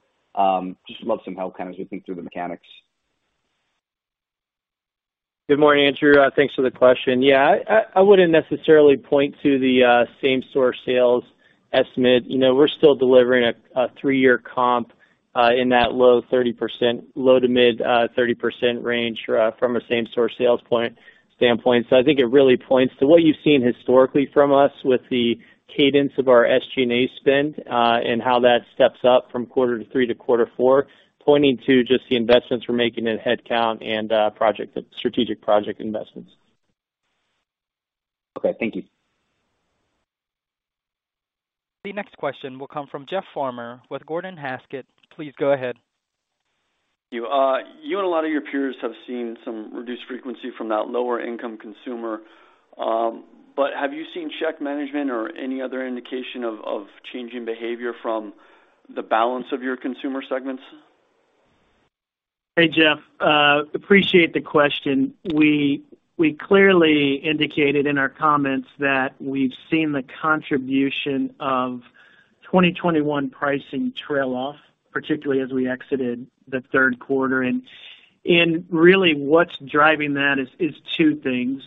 S10: Just would love some help kind of as we think through the mechanics.
S4: Good morning Andrew. Thanks for the question. Yeah, I wouldn't necessarily point to the same-store sales estimate. You know, we're still delivering a three-year comp in that low 30%, low-to-mid 30% range from a same-store sales standpoint. I think it really points to what you've seen historically from us with the cadence of our SG&A spend and how that steps up from Q2 to Q3 to Q4, pointing to just the investments we're making in headcount and strategic project investments.
S10: Okay. Thank you.
S1: The next question will come from Jeff Farmer with Gordon Haskett. Please go ahead.
S11: You and a lot of your peers have seen some reduced frequency from that lower income consumer. But have you seen check management or any other indication of changing behavior from the balance of your consumer segments?
S3: Hey Jeff appreciate the question. We clearly indicated in our comments that we've seen the contribution of 2021 pricing trail off, particularly as we exited the third quarter. Really what's driving that is two things.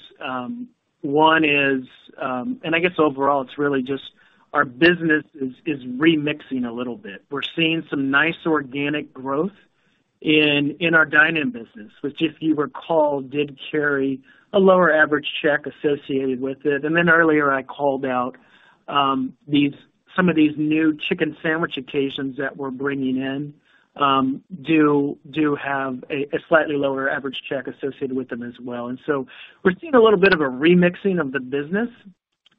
S3: One is, and I guess overall it's really just our business is remixing a little bit. We're seeing some nice organic growth in our dine-in business, which if you recall, did carry a lower average check associated with it. Then earlier I called out some of these new Chicken Sandwich occasions that we're bringing in do have a slightly lower average check associated with them as well. We're seeing a little bit of a remixing of the business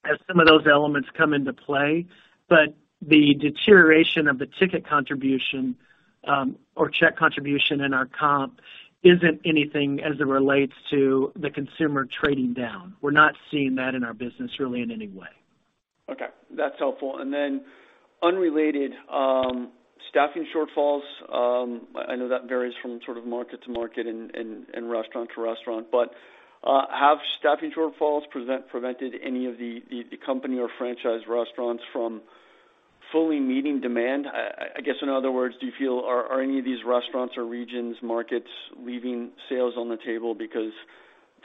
S3: as some of those elements come into play. The deterioration of the ticket contribution, or check contribution in our comp isn't anything as it relates to the consumer trading down. We're not seeing that in our business really in any way.
S11: Okay, that's helpful. Unrelated, staffing shortfalls, I know that varies from sort of market to market and restaurant to restaurant. Have staffing shortfalls prevented any of the company or franchise restaurants from fully meeting demand? I guess, in other words, do you feel are any of these restaurants or regions, markets leaving sales on the table because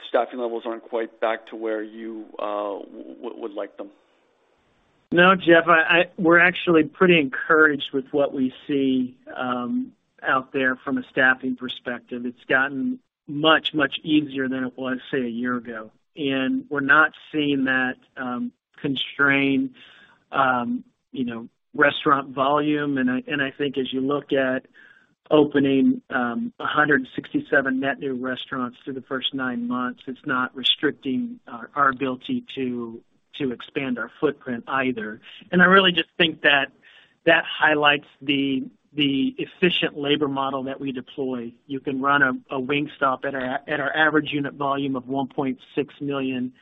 S11: staffing levels aren't quite back to where you would like them?
S3: No Jeff we're actually pretty encouraged with what we see out there from a staffing perspective. It's gotten much, much easier than it was, say, a year ago. We're not seeing that constrained, you know, restaurant volume. I think as you look at opening 167 net new restaurants through the first nine months, it's not restricting our ability to expand our footprint either. I really just think that highlights the efficient labor model that we deploy. You can run a Wingstop at our average unit volume of $1.6 million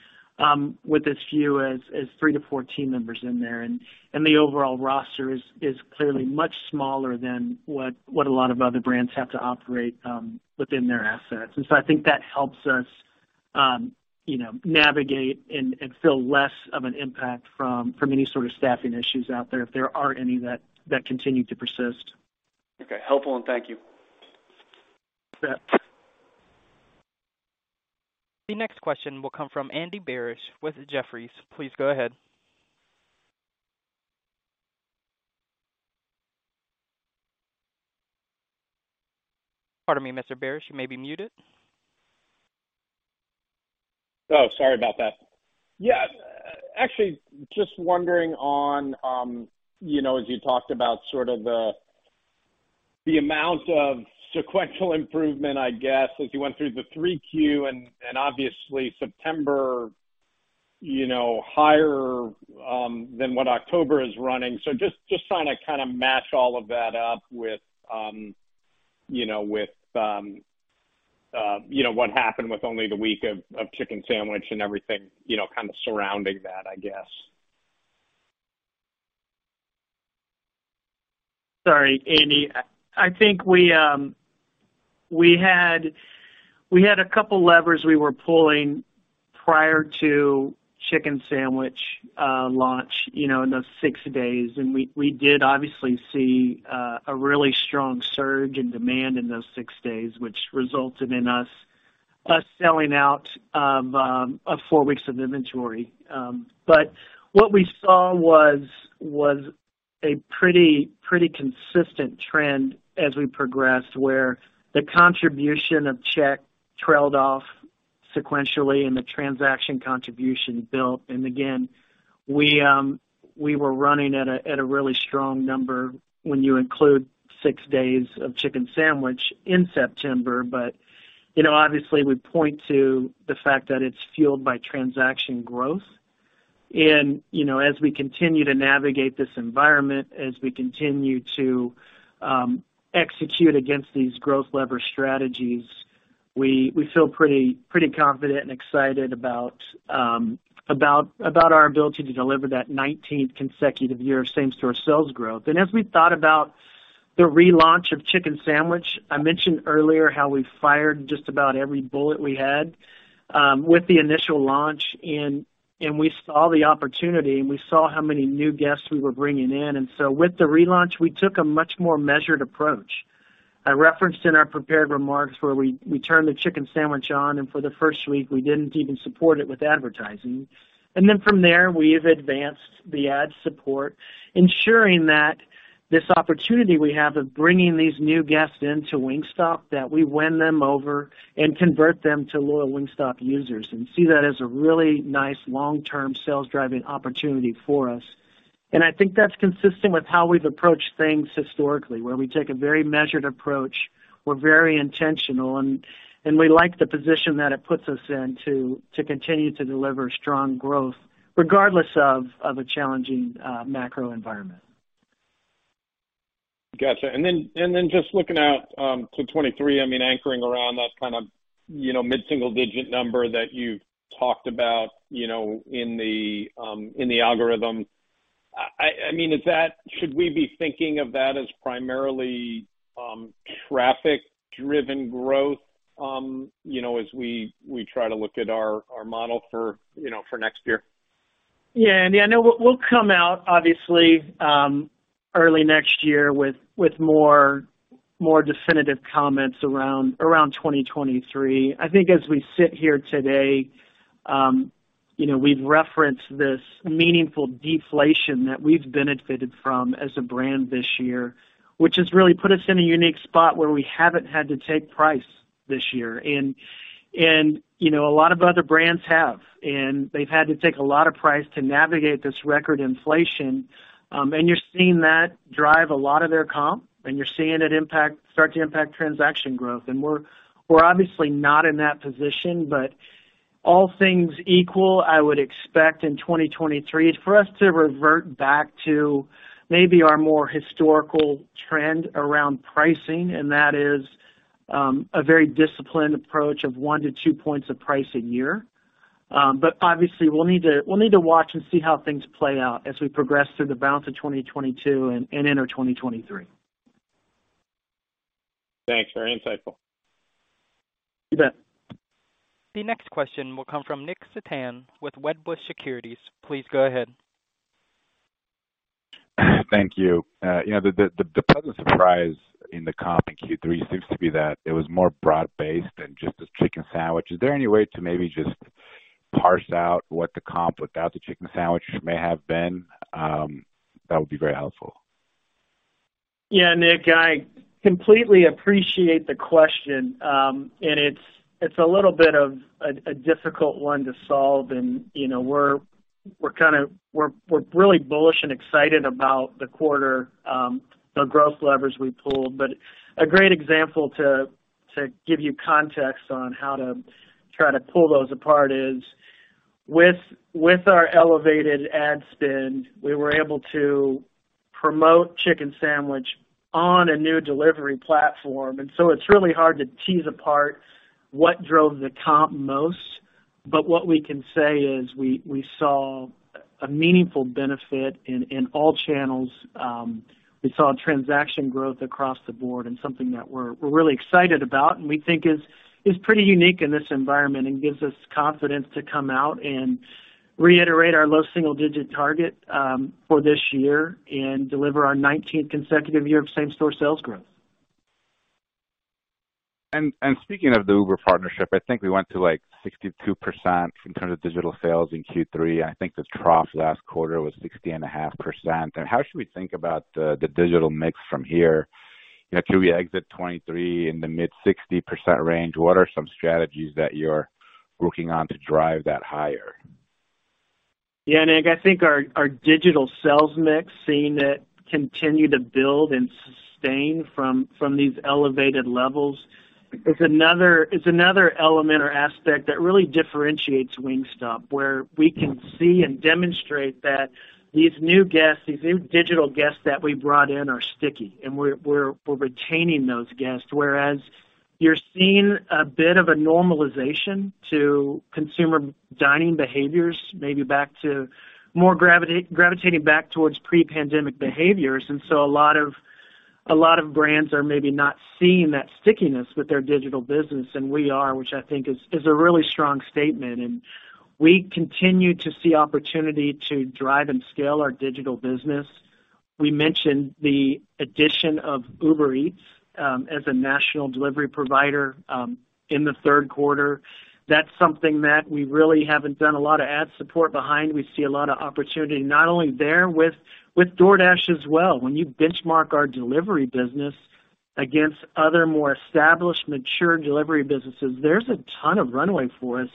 S3: with as few as three to four team members in there. The overall roster is clearly much smaller than what a lot of other brands have to operate within their assets. I think that helps us, you know, navigate and feel less of an impact from any sort of staffing issues out there, if there are any that continue to persist.
S11: Okay. Helpful and thank you.
S3: You bet.
S1: The next question will come from Andy Barish with Jefferies. Please go ahead. Pardon me, Mr. Barish, you may be muted.
S12: Oh, sorry about that. Yeah. Actually just wondering on, you know, as you talked about sort of the amount of sequential improvement, I guess, as you went through the three Qs and obviously September, you know, higher than what October is running. Just trying to kind of match all of that up with, you know, what happened with only the week of Chicken Sandwich and everything, you know, kind of surrounding that, I guess.
S3: Sorry, Andy. I think we had a couple levers we were pulling prior to Chicken Sandwich launch, you know, in those six days. We did obviously see a really strong surge in demand in those six days, which resulted in us selling out four weeks of inventory. What we saw was a pretty consistent trend as we progressed where the contribution of check trailed off sequentially and the transaction contribution built. Again, we were running at a really strong number when you include six days of Chicken Sandwich in September. You know, obviously we point to the fact that it's fueled by transaction growth. You know, as we continue to navigate this environment, as we continue to execute against these growth lever strategies, we feel pretty confident and excited about our ability to deliver that 19th consecutive year of same-store sales growth. As we thought about the relaunch of Chicken Sandwich, I mentioned earlier how we fired just about every bullet we had with the initial launch and we saw the opportunity and we saw how many new guests we were bringing in. With the relaunch, we took a much more measured approach. I referenced in our prepared remarks where we turned the Chicken Sandwich on, and for the first week we didn't even support it with advertising. Then from there we have advanced the ad support, ensuring that this opportunity we have of bringing these new guests into Wingstop, that we win them over and convert them to loyal Wingstop users and see that as a really nice long-term sales driving opportunity for us. I think that's consistent with how we've approached things historically, where we take a very measured approach. We're very intentional and we like the position that it puts us in to continue to deliver strong growth regardless of a challenging macro environment.
S12: Gotcha. Just looking out to 2023, I mean, anchoring around that kind of, you know, mid-single digit number that you talked about, you know, in the algorithm. I mean, should we be thinking of that as primarily traffic driven growth, you know, as we try to look at our model for next year?
S3: Yeah. I know we'll come out obviously early next year with more definitive comments around 2023. I think as we sit here today, you know, we've referenced this meaningful deflation that we've benefited from as a brand this year, which has really put us in a unique spot where we haven't had to take price this year. You know, a lot of other brands have, and they've had to take a lot of price to navigate this record inflation. You're seeing that drive a lot of their comp and you're seeing it start to impact transaction growth. We're obviously not in that position, but all things equal, I would expect in 2023 for us to revert back to maybe our more historical trend around pricing, and that is, a very disciplined approach of 1-2 points of price a year. But obviously we'll need to watch and see how things play out as we progress through the balance of 2022 and enter 2023.
S12: Thanks. Very insightful.
S3: You bet.
S1: The next question will come from Nick Setyan with Wedbush Securities. Please go ahead.
S13: Thank you. You know, the pleasant surprise in the comp in Q3 seems to be that it was more broad-based than just the Chicken Sandwich. Is there any way to maybe just parse out what the comp without the Chicken Sandwich may have been? That would be very helpful.
S3: Yeah Nick I completely appreciate the question. It's a little bit of a difficult one to solve. You know, we're really bullish and excited about the quarter, the growth levers we pulled. A great example to give you context on how to try to pull those apart is with our elevated ad spend. We were able to promote Chicken Sandwich on a new delivery platform. It's really hard to tease apart what drove the comp most. What we can say is we saw a meaningful benefit in all channels. We saw transaction growth across the board and something that we're really excited about and we think is pretty unique in this environment and gives us confidence to come out and reiterate our low single-digit target for this year and deliver our 19th consecutive year of same-store sales growth.
S13: Speaking of the Uber partnership, I think we went to like 62% in terms of digital sales in Q3. I think the trough last quarter was 60.5%. How should we think about the digital mix from here? You know, could we exit 2023 in the mid-60% range? What are some strategies that you're working on to drive that higher?
S3: Yeah Nick I think our digital sales mix, seeing it continue to build and sustain from these elevated levels is another element or aspect that really differentiates Wingstop, where we can see and demonstrate that these new guests, these new digital guests that we brought in are sticky, and we're retaining those guests. Whereas you're seeing a bit of a normalization to consumer dining behaviors, maybe back to more gravitating back towards pre-pandemic behaviors. A lot of brands are maybe not seeing that stickiness with their digital business, and we are, which I think is a really strong statement. We continue to see opportunity to drive and scale our digital business. We mentioned the addition of Uber Eats as a national delivery provider in the third quarter. That's something that we really haven't done a lot of ad support behind. We see a lot of opportunity not only there with DoorDash as well. When you benchmark our delivery business against other, more established, mature delivery businesses, there's a ton of runway for us.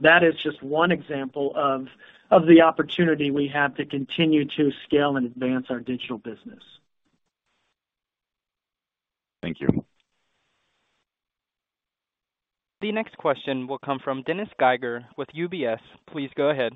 S3: That is just one example of the opportunity we have to continue to scale and advance our digital business.
S13: Thank you.
S1: The next question will come from Dennis Geiger with UBS. Please go ahead.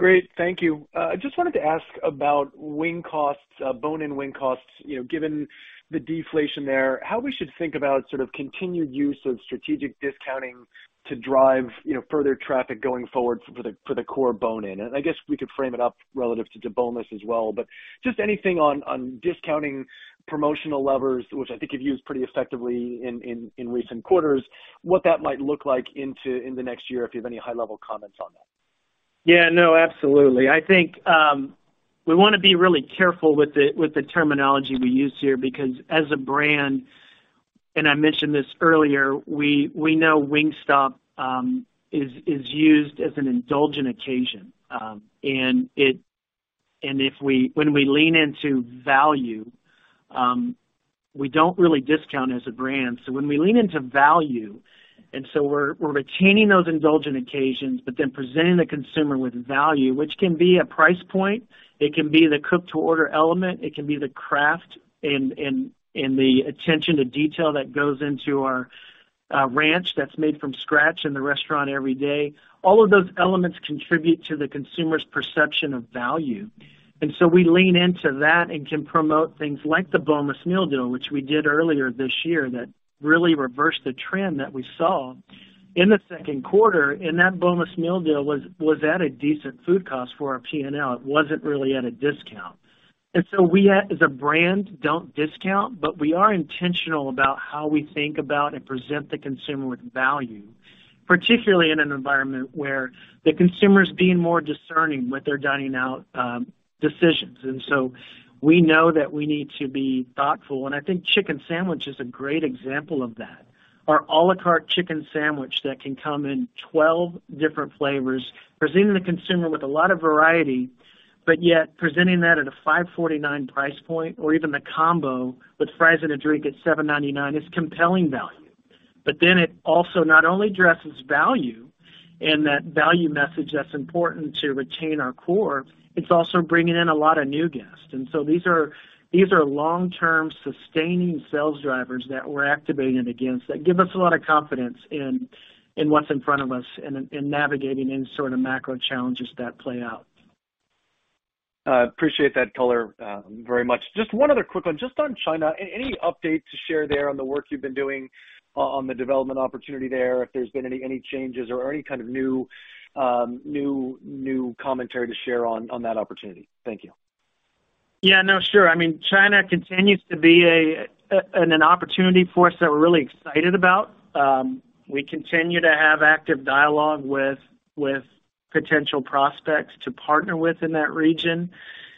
S14: Great. Thank you. I just wanted to ask about wing costs, bone-in wing costs. You know, given the deflation there, how we should think about sort of continued use of strategic discounting to drive, you know, further traffic going forward for the core bone-in. I guess we could frame it up relative to boneless as well. Just anything on discounting promotional levers, which I think you've used pretty effectively in recent quarters, what that might look like in the next year, if you have any high-level comments on that.
S3: Yeah no absolutely. I think we wanna be really careful with the terminology we use here, because as a brand, and I mentioned this earlier, we know Wingstop is used as an indulgent occasion. If we lean into value, we don't really discount as a brand. When we lean into value, we're retaining those indulgent occasions, but then presenting the consumer with value, which can be a price point, it can be the cook to order element, it can be the craft and the attention to detail that goes into our ranch that's made from scratch in the restaurant every day. All of those elements contribute to the consumer's perception of value. We lean into that and can promote things like the Boneless Meal Deal, which we did earlier this year, that really reversed the trend that we saw in the second quarter. That Boneless Meal Deal was at a decent food cost for our P&L. It wasn't really at a discount. We, as a brand, don't discount, but we are intentional about how we think about and present the consumer with value, particularly in an environment where the consumer's being more discerning with their dining out decisions. We know that we need to be thoughtful. I think Chicken Sandwich is a great example of that. Our à la carte chicken sandwich that can come in 12 different flavors, presenting the consumer with a lot of variety, but yet presenting that at a $5.49 price point or even the combo with fries and a drink at $7.99 is compelling value. It also not only addresses value and that value message that's important to retain our core, it's also bringing in a lot of new guests. These are long-term sustaining sales drivers that we're activating against that give us a lot of confidence in what's in front of us and in navigating any sort of macro challenges that play out.
S14: Appreciate that color very much. Just one other quick one. Just on China, any update to share there on the work you've been doing on the development opportunity there, if there's been any changes or any kind of new commentary to share on that opportunity? Thank you.
S3: Yeah. No, sure. I mean, China continues to be an opportunity for us that we're really excited about. We continue to have active dialogue with potential prospects to partner with in that region.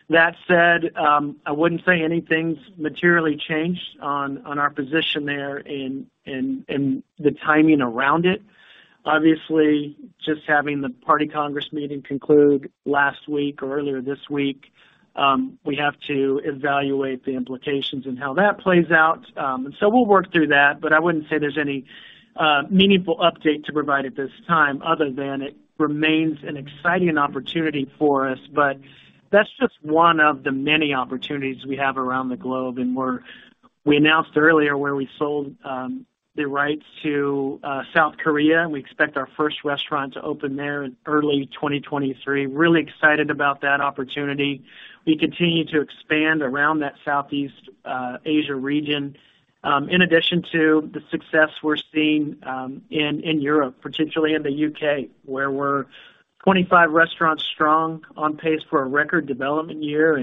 S3: That said, I wouldn't say anything's materially changed on our position there in the timing around it. Obviously, just having the Party Congress meeting conclude last week or earlier this week, we have to evaluate the implications and how that plays out. We'll work through that, but I wouldn't say there's any meaningful update to provide at this time other than it remains an exciting opportunity for us. That's just one of the many opportunities we have around the globe, and we announced earlier where we sold the rights to South Korea. We expect our first restaurant to open there in early 2023. Really excited about that opportunity. We continue to expand around that Southeast Asia region, in addition to the success we're seeing, in Europe, particularly in the U.K., where we're 25 restaurants strong on pace for a record development year.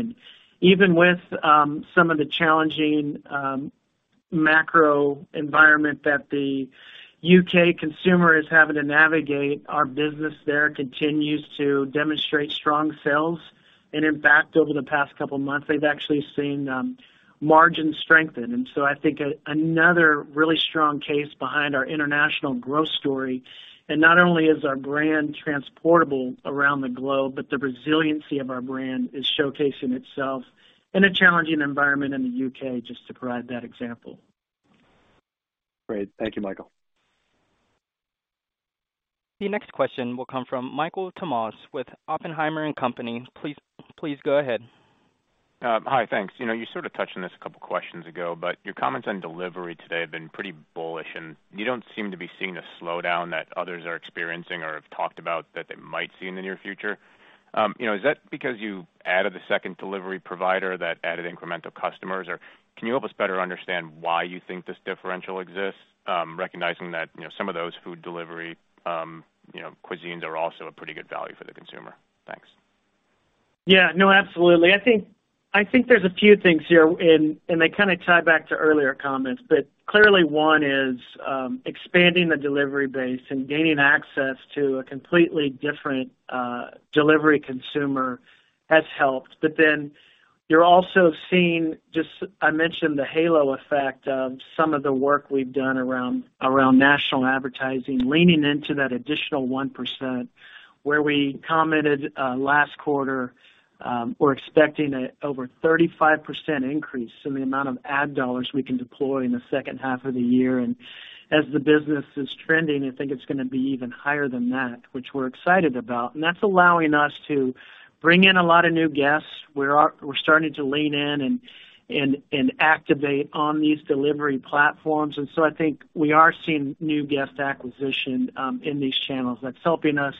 S3: Even with some of the challenging macro environment that the U.K. consumer is having to navigate, our business there continues to demonstrate strong sales. In fact, over the past couple of months, they've actually seen margin strengthen. I think another really strong case behind our international growth story. Not only is our brand transportable around the globe, but the resiliency of our brand is showcasing itself in a challenging environment in the U.K., just to provide that example.
S14: Great. Thank you, Michael.
S1: The next question will come from Michael Tamas with Oppenheimer & Co. Please go ahead.
S15: Hi, thanks. You know, you sort of touched on this a couple of questions ago, but your comments on delivery today have been pretty bullish, and you don't seem to be seeing a slowdown that others are experiencing or have talked about that they might see in the near future. You know, is that because you added the second delivery provider that added incremental customers? Or can you help us better understand why you think this differential exists, recognizing that, you know, some of those food delivery, you know, cuisines are also a pretty good value for the consumer? Thanks.
S3: Yeah. No, absolutely. I think there's a few things here and they kinda tie back to earlier comments. Clearly, one is expanding the delivery base and gaining access to a completely different delivery consumer has helped. You're also seeing just, I mentioned the halo effect of some of the work we've done around national advertising, leaning into that additional 1% where we commented last quarter, we're expecting an over 35% increase in the amount of ad dollars we can deploy in the second half of the year. As the business is trending, I think it's gonna be even higher than that, which we're excited about. That's allowing us to bring in a lot of new guests. We're starting to lean in and activate on these delivery platforms. I think we are seeing new guest acquisition in these channels. That's helping us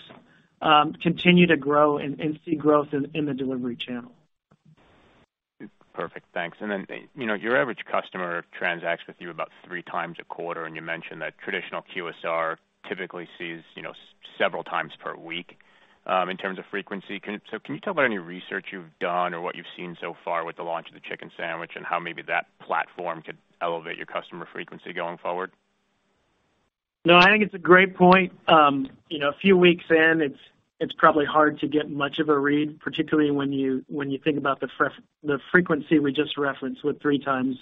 S3: continue to grow and see growth in the delivery channel.
S15: Perfect. Thanks. You know, your average customer transacts with you about 3x a quarter, and you mentioned that traditional QSR typically sees, you know, several times per week, in terms of frequency. So can you tell about any research you've done or what you've seen so far with the launch of the Chicken Sandwich and how maybe that platform could elevate your customer frequency going forward?
S3: No, I think it's a great point. You know, a few weeks in, it's probably hard to get much of a read, particularly when you think about the frequency we just referenced with 3x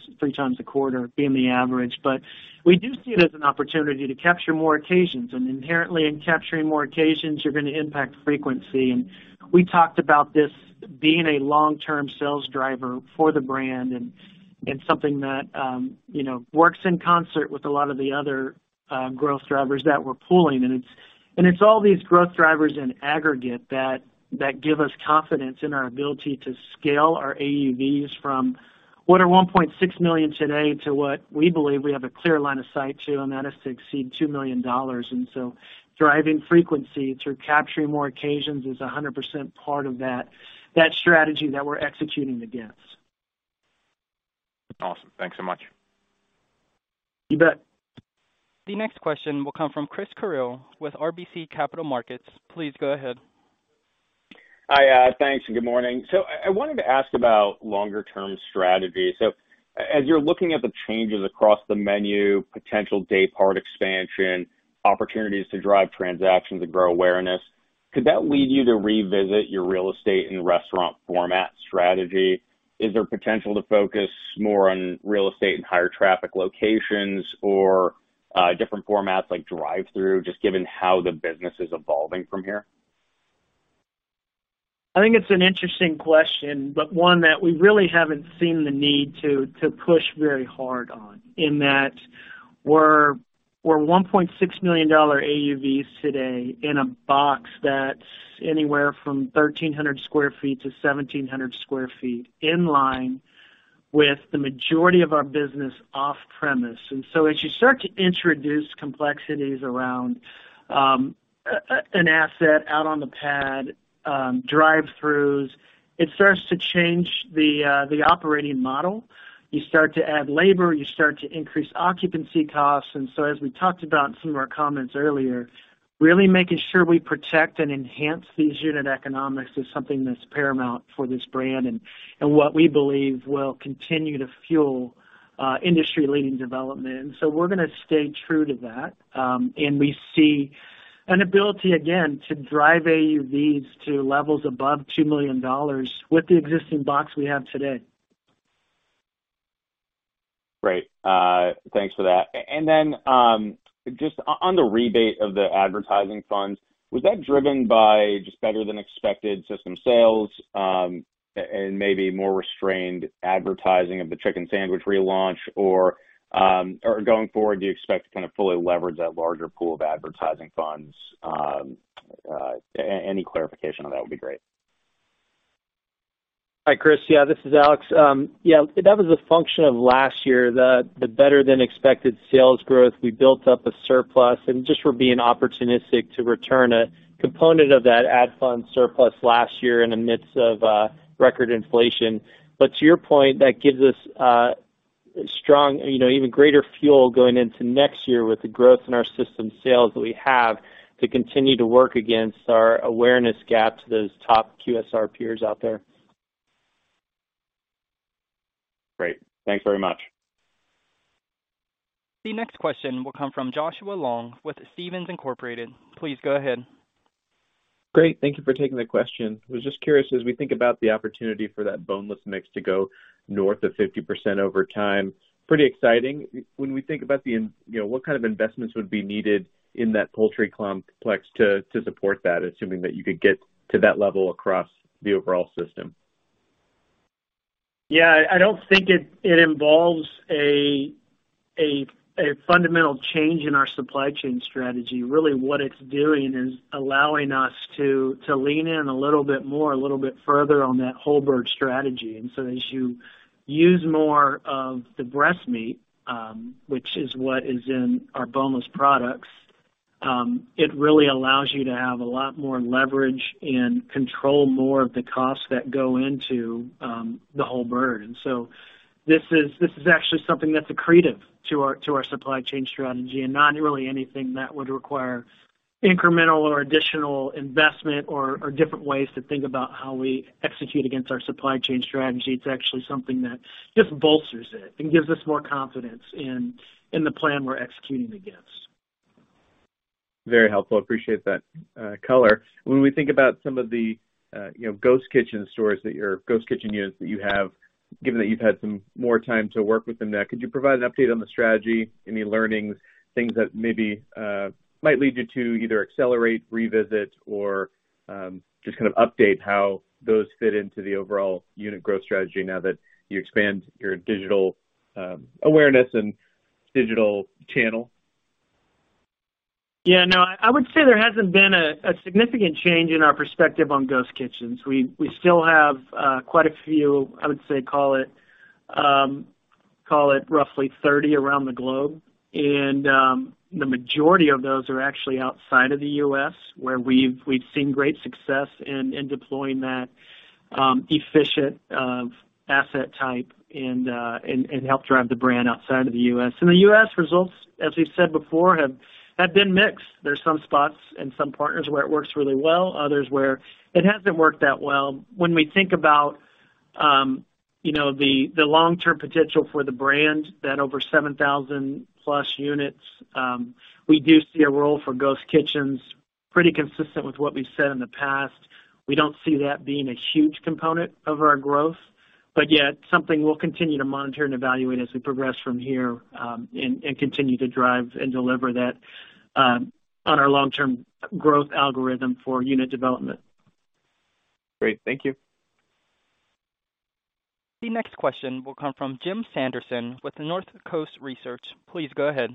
S3: a quarter being the average. We do see it as an opportunity to capture more occasions. Inherently, in capturing more occasions, you're gonna impact frequency. We talked about this being a long-term sales driver for the brand and something that, you know, works in concert with a lot of the other growth drivers that we're pulling. It's all these growth drivers in aggregate that give us confidence in our ability to scale our AUV from what are $1.6 million today to what we believe we have a clear line of sight to, and that is to exceed $2 million. Driving frequency through capturing more occasions is 100% part of that strategy that we're executing against.
S15: Awesome. Thanks so much.
S3: You bet.
S1: The next question will come from Chris Carril with RBC Capital Markets. Please go ahead.
S16: Hi. Thanks, and good morning. I wanted to ask about longer term strategy. As you're looking at the changes across the menu, potential day part expansion, opportunities to drive transactions and grow awareness, could that lead you to revisit your real estate and restaurant format strategy? Is there potential to focus more on real estate in higher traffic locations or different formats like drive-through, just given how the business is evolving from here?
S3: I think it's an interesting question, but one that we really haven't seen the need to push very hard on, in that we're $1.6 million AUV today in a box that's anywhere from 1,300 sq ft-1,700 sq ft, in line with the majority of our business off premise. As you start to introduce complexities around an asset out on the pad, drive-throughs, it starts to change the operating model. You start to add labor, you start to increase occupancy costs. As we talked about in some of our comments earlier, really making sure we protect and enhance these unit economics is something that's paramount for this brand and what we believe will continue to fuel industry-leading development. We're gonna stay true to that. We see an ability again to drive AUV to levels above $2 million with the existing box we have today.
S16: Great. Thanks for that. Just on the rebate of the advertising funds, was that driven by just better than expected system sales, and maybe more restrained advertising of the Chicken Sandwich relaunch? Or going forward, do you expect to kind of fully leverage that larger pool of advertising funds? Any clarification on that would be great.
S4: Hi, Chris. Yeah, this is Alex. Yeah, that was a function of last year. The better than expected sales growth, we built up a surplus and just were being opportunistic to return a component of that ad fund surplus last year in the midst of record inflation. To your point, that gives us strong, you know, even greater fuel going into next year with the growth in our system sales that we have to continue to work against our awareness gap to those top QSR peers out there.
S16: Great. Thanks very much.
S1: The next question will come from Joshua Long with Stephens Inc. Please go ahead.
S17: Great. Thank you for taking the question. I was just curious, as we think about the opportunity for that boneless mix to go north of 50% over time, pretty exciting. When we think about, you know, what kind of investments would be needed in that poultry complex to support that, assuming that you could get to that level across the overall system?
S3: Yeah. I don't think it involves a fundamental change in our supply chain strategy. Really what it's doing is allowing us to lean in a little bit more, a little bit further on that whole bird strategy. As you use more of the breast meat, which is what is in our boneless products, it really allows you to have a lot more leverage and control more of the costs that go into the whole bird. This is actually something that's accretive to our supply chain strategy and not really anything that would require incremental or additional investment or different ways to think about how we execute against our supply chain strategy. It's actually something that just bolsters it and gives us more confidence in the plan we're executing against.
S17: Very helpful. Appreciate that, color. When we think about some of the, you know, ghost kitchen units that you have, given that you've had some more time to work within that, could you provide an update on the strategy, any learnings, things that maybe might lead you to either accelerate, revisit or, just kind of update how those fit into the overall unit growth strategy now that you expand your digital, awareness and digital channel?
S3: Yeah. No, I would say there hasn't been a significant change in our perspective on ghost kitchens. We still have quite a few, I would say call it roughly 30 around the globe. The majority of those are actually outside of the U.S., where we've seen great success in deploying that efficient asset type and help drive the brand outside of the U.S. In the U.S., results, as we've said before, have been mixed. There's some spots and some partners where it works really well, others where it hasn't worked that well. When we think about, you know, the long-term potential for the brand, that over 7,000+ units, we do see a role for ghost kitchens, pretty consistent with what we've said in the past. We don't see that being a huge component of our growth, but yet something we'll continue to monitor and evaluate as we progress from here, and continue to drive and deliver that, on our long-term growth algorithm for unit development.
S17: Great. Thank you.
S1: The next question will come from Jim Sanderson with Northcoast Research. Please go ahead.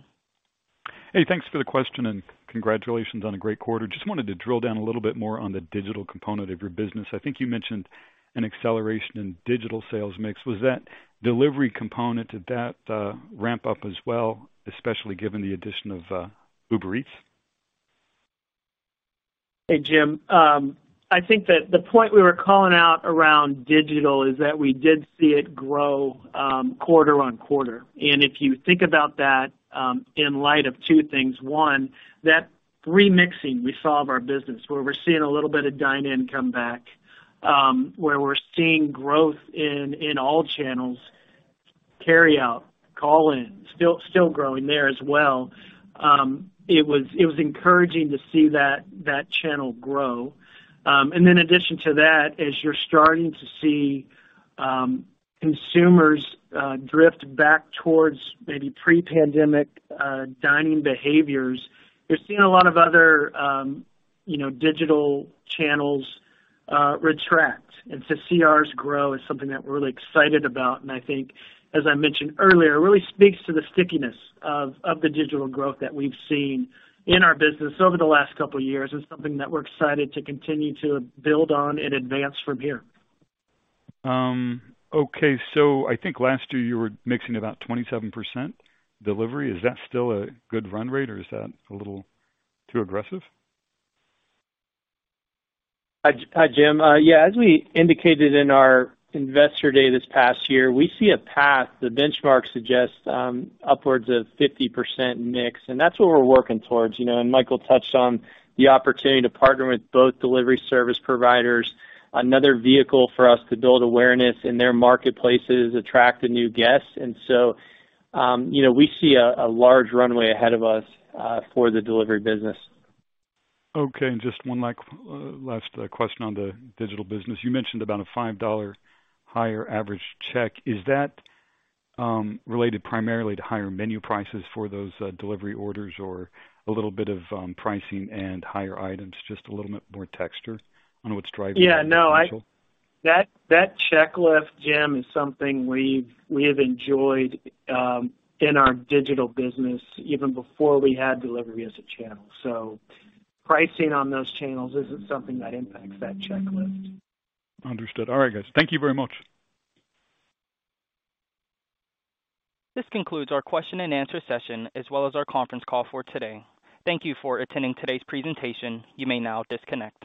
S18: Hey, thanks for the question and congratulations on a great quarter. Just wanted to drill down a little bit more on the digital component of your business. I think you mentioned an acceleration in digital sales mix. Was that delivery component, did that ramp up as well, especially given the addition of Uber Eats?
S3: Hey Jim I think that the point we were calling out around digital is that we did see it grow quarter-over-quarter. If you think about that in light of two things. One, that remixing we saw of our business where we're seeing a little bit of dine-in come back, where we're seeing growth in all channels, carry out, call in, still growing there as well. It was encouraging to see that channel grow. In addition to that, as you're starting to see, consumers drift back towards maybe pre-pandemic dining behaviors, you're seeing a lot of other you know digital channels retract. To see ours grow is something that we're really excited about, and I think, as I mentioned earlier, really speaks to the stickiness of the digital growth that we've seen in our business over the last couple of years. It's something that we're excited to continue to build on and advance from here.
S18: I think last year you were mixing about 27% delivery. Is that still a good run rate or is that a little too aggressive?
S4: Hi Jim yeah as we indicated in our investor day this past year, we see a path the benchmark suggests upwards of 50% mix. That's what we're working towards, you know, and Michael touched on the opportunity to partner with both delivery service providers. Another vehicle for us to build awareness in their marketplaces, attract the new guests. You know, we see a large runway ahead of us for the delivery business.
S18: Okay. Just one last question on the digital business. You mentioned about a $5 higher average check. Is that related primarily to higher menu prices for those delivery orders or a little bit of pricing and higher items? Just a little bit more texture on what's driving.
S3: No, that check lift, Jim, is something we have enjoyed in our digital business even before we had delivery as a channel. Pricing on those channels isn't something that impacts that check lift.
S18: Understood. All right, guys. Thank you very much.
S1: This concludes our question and answer session, as well as our conference call for today. Thank you for attending today's presentation. You may now disconnect.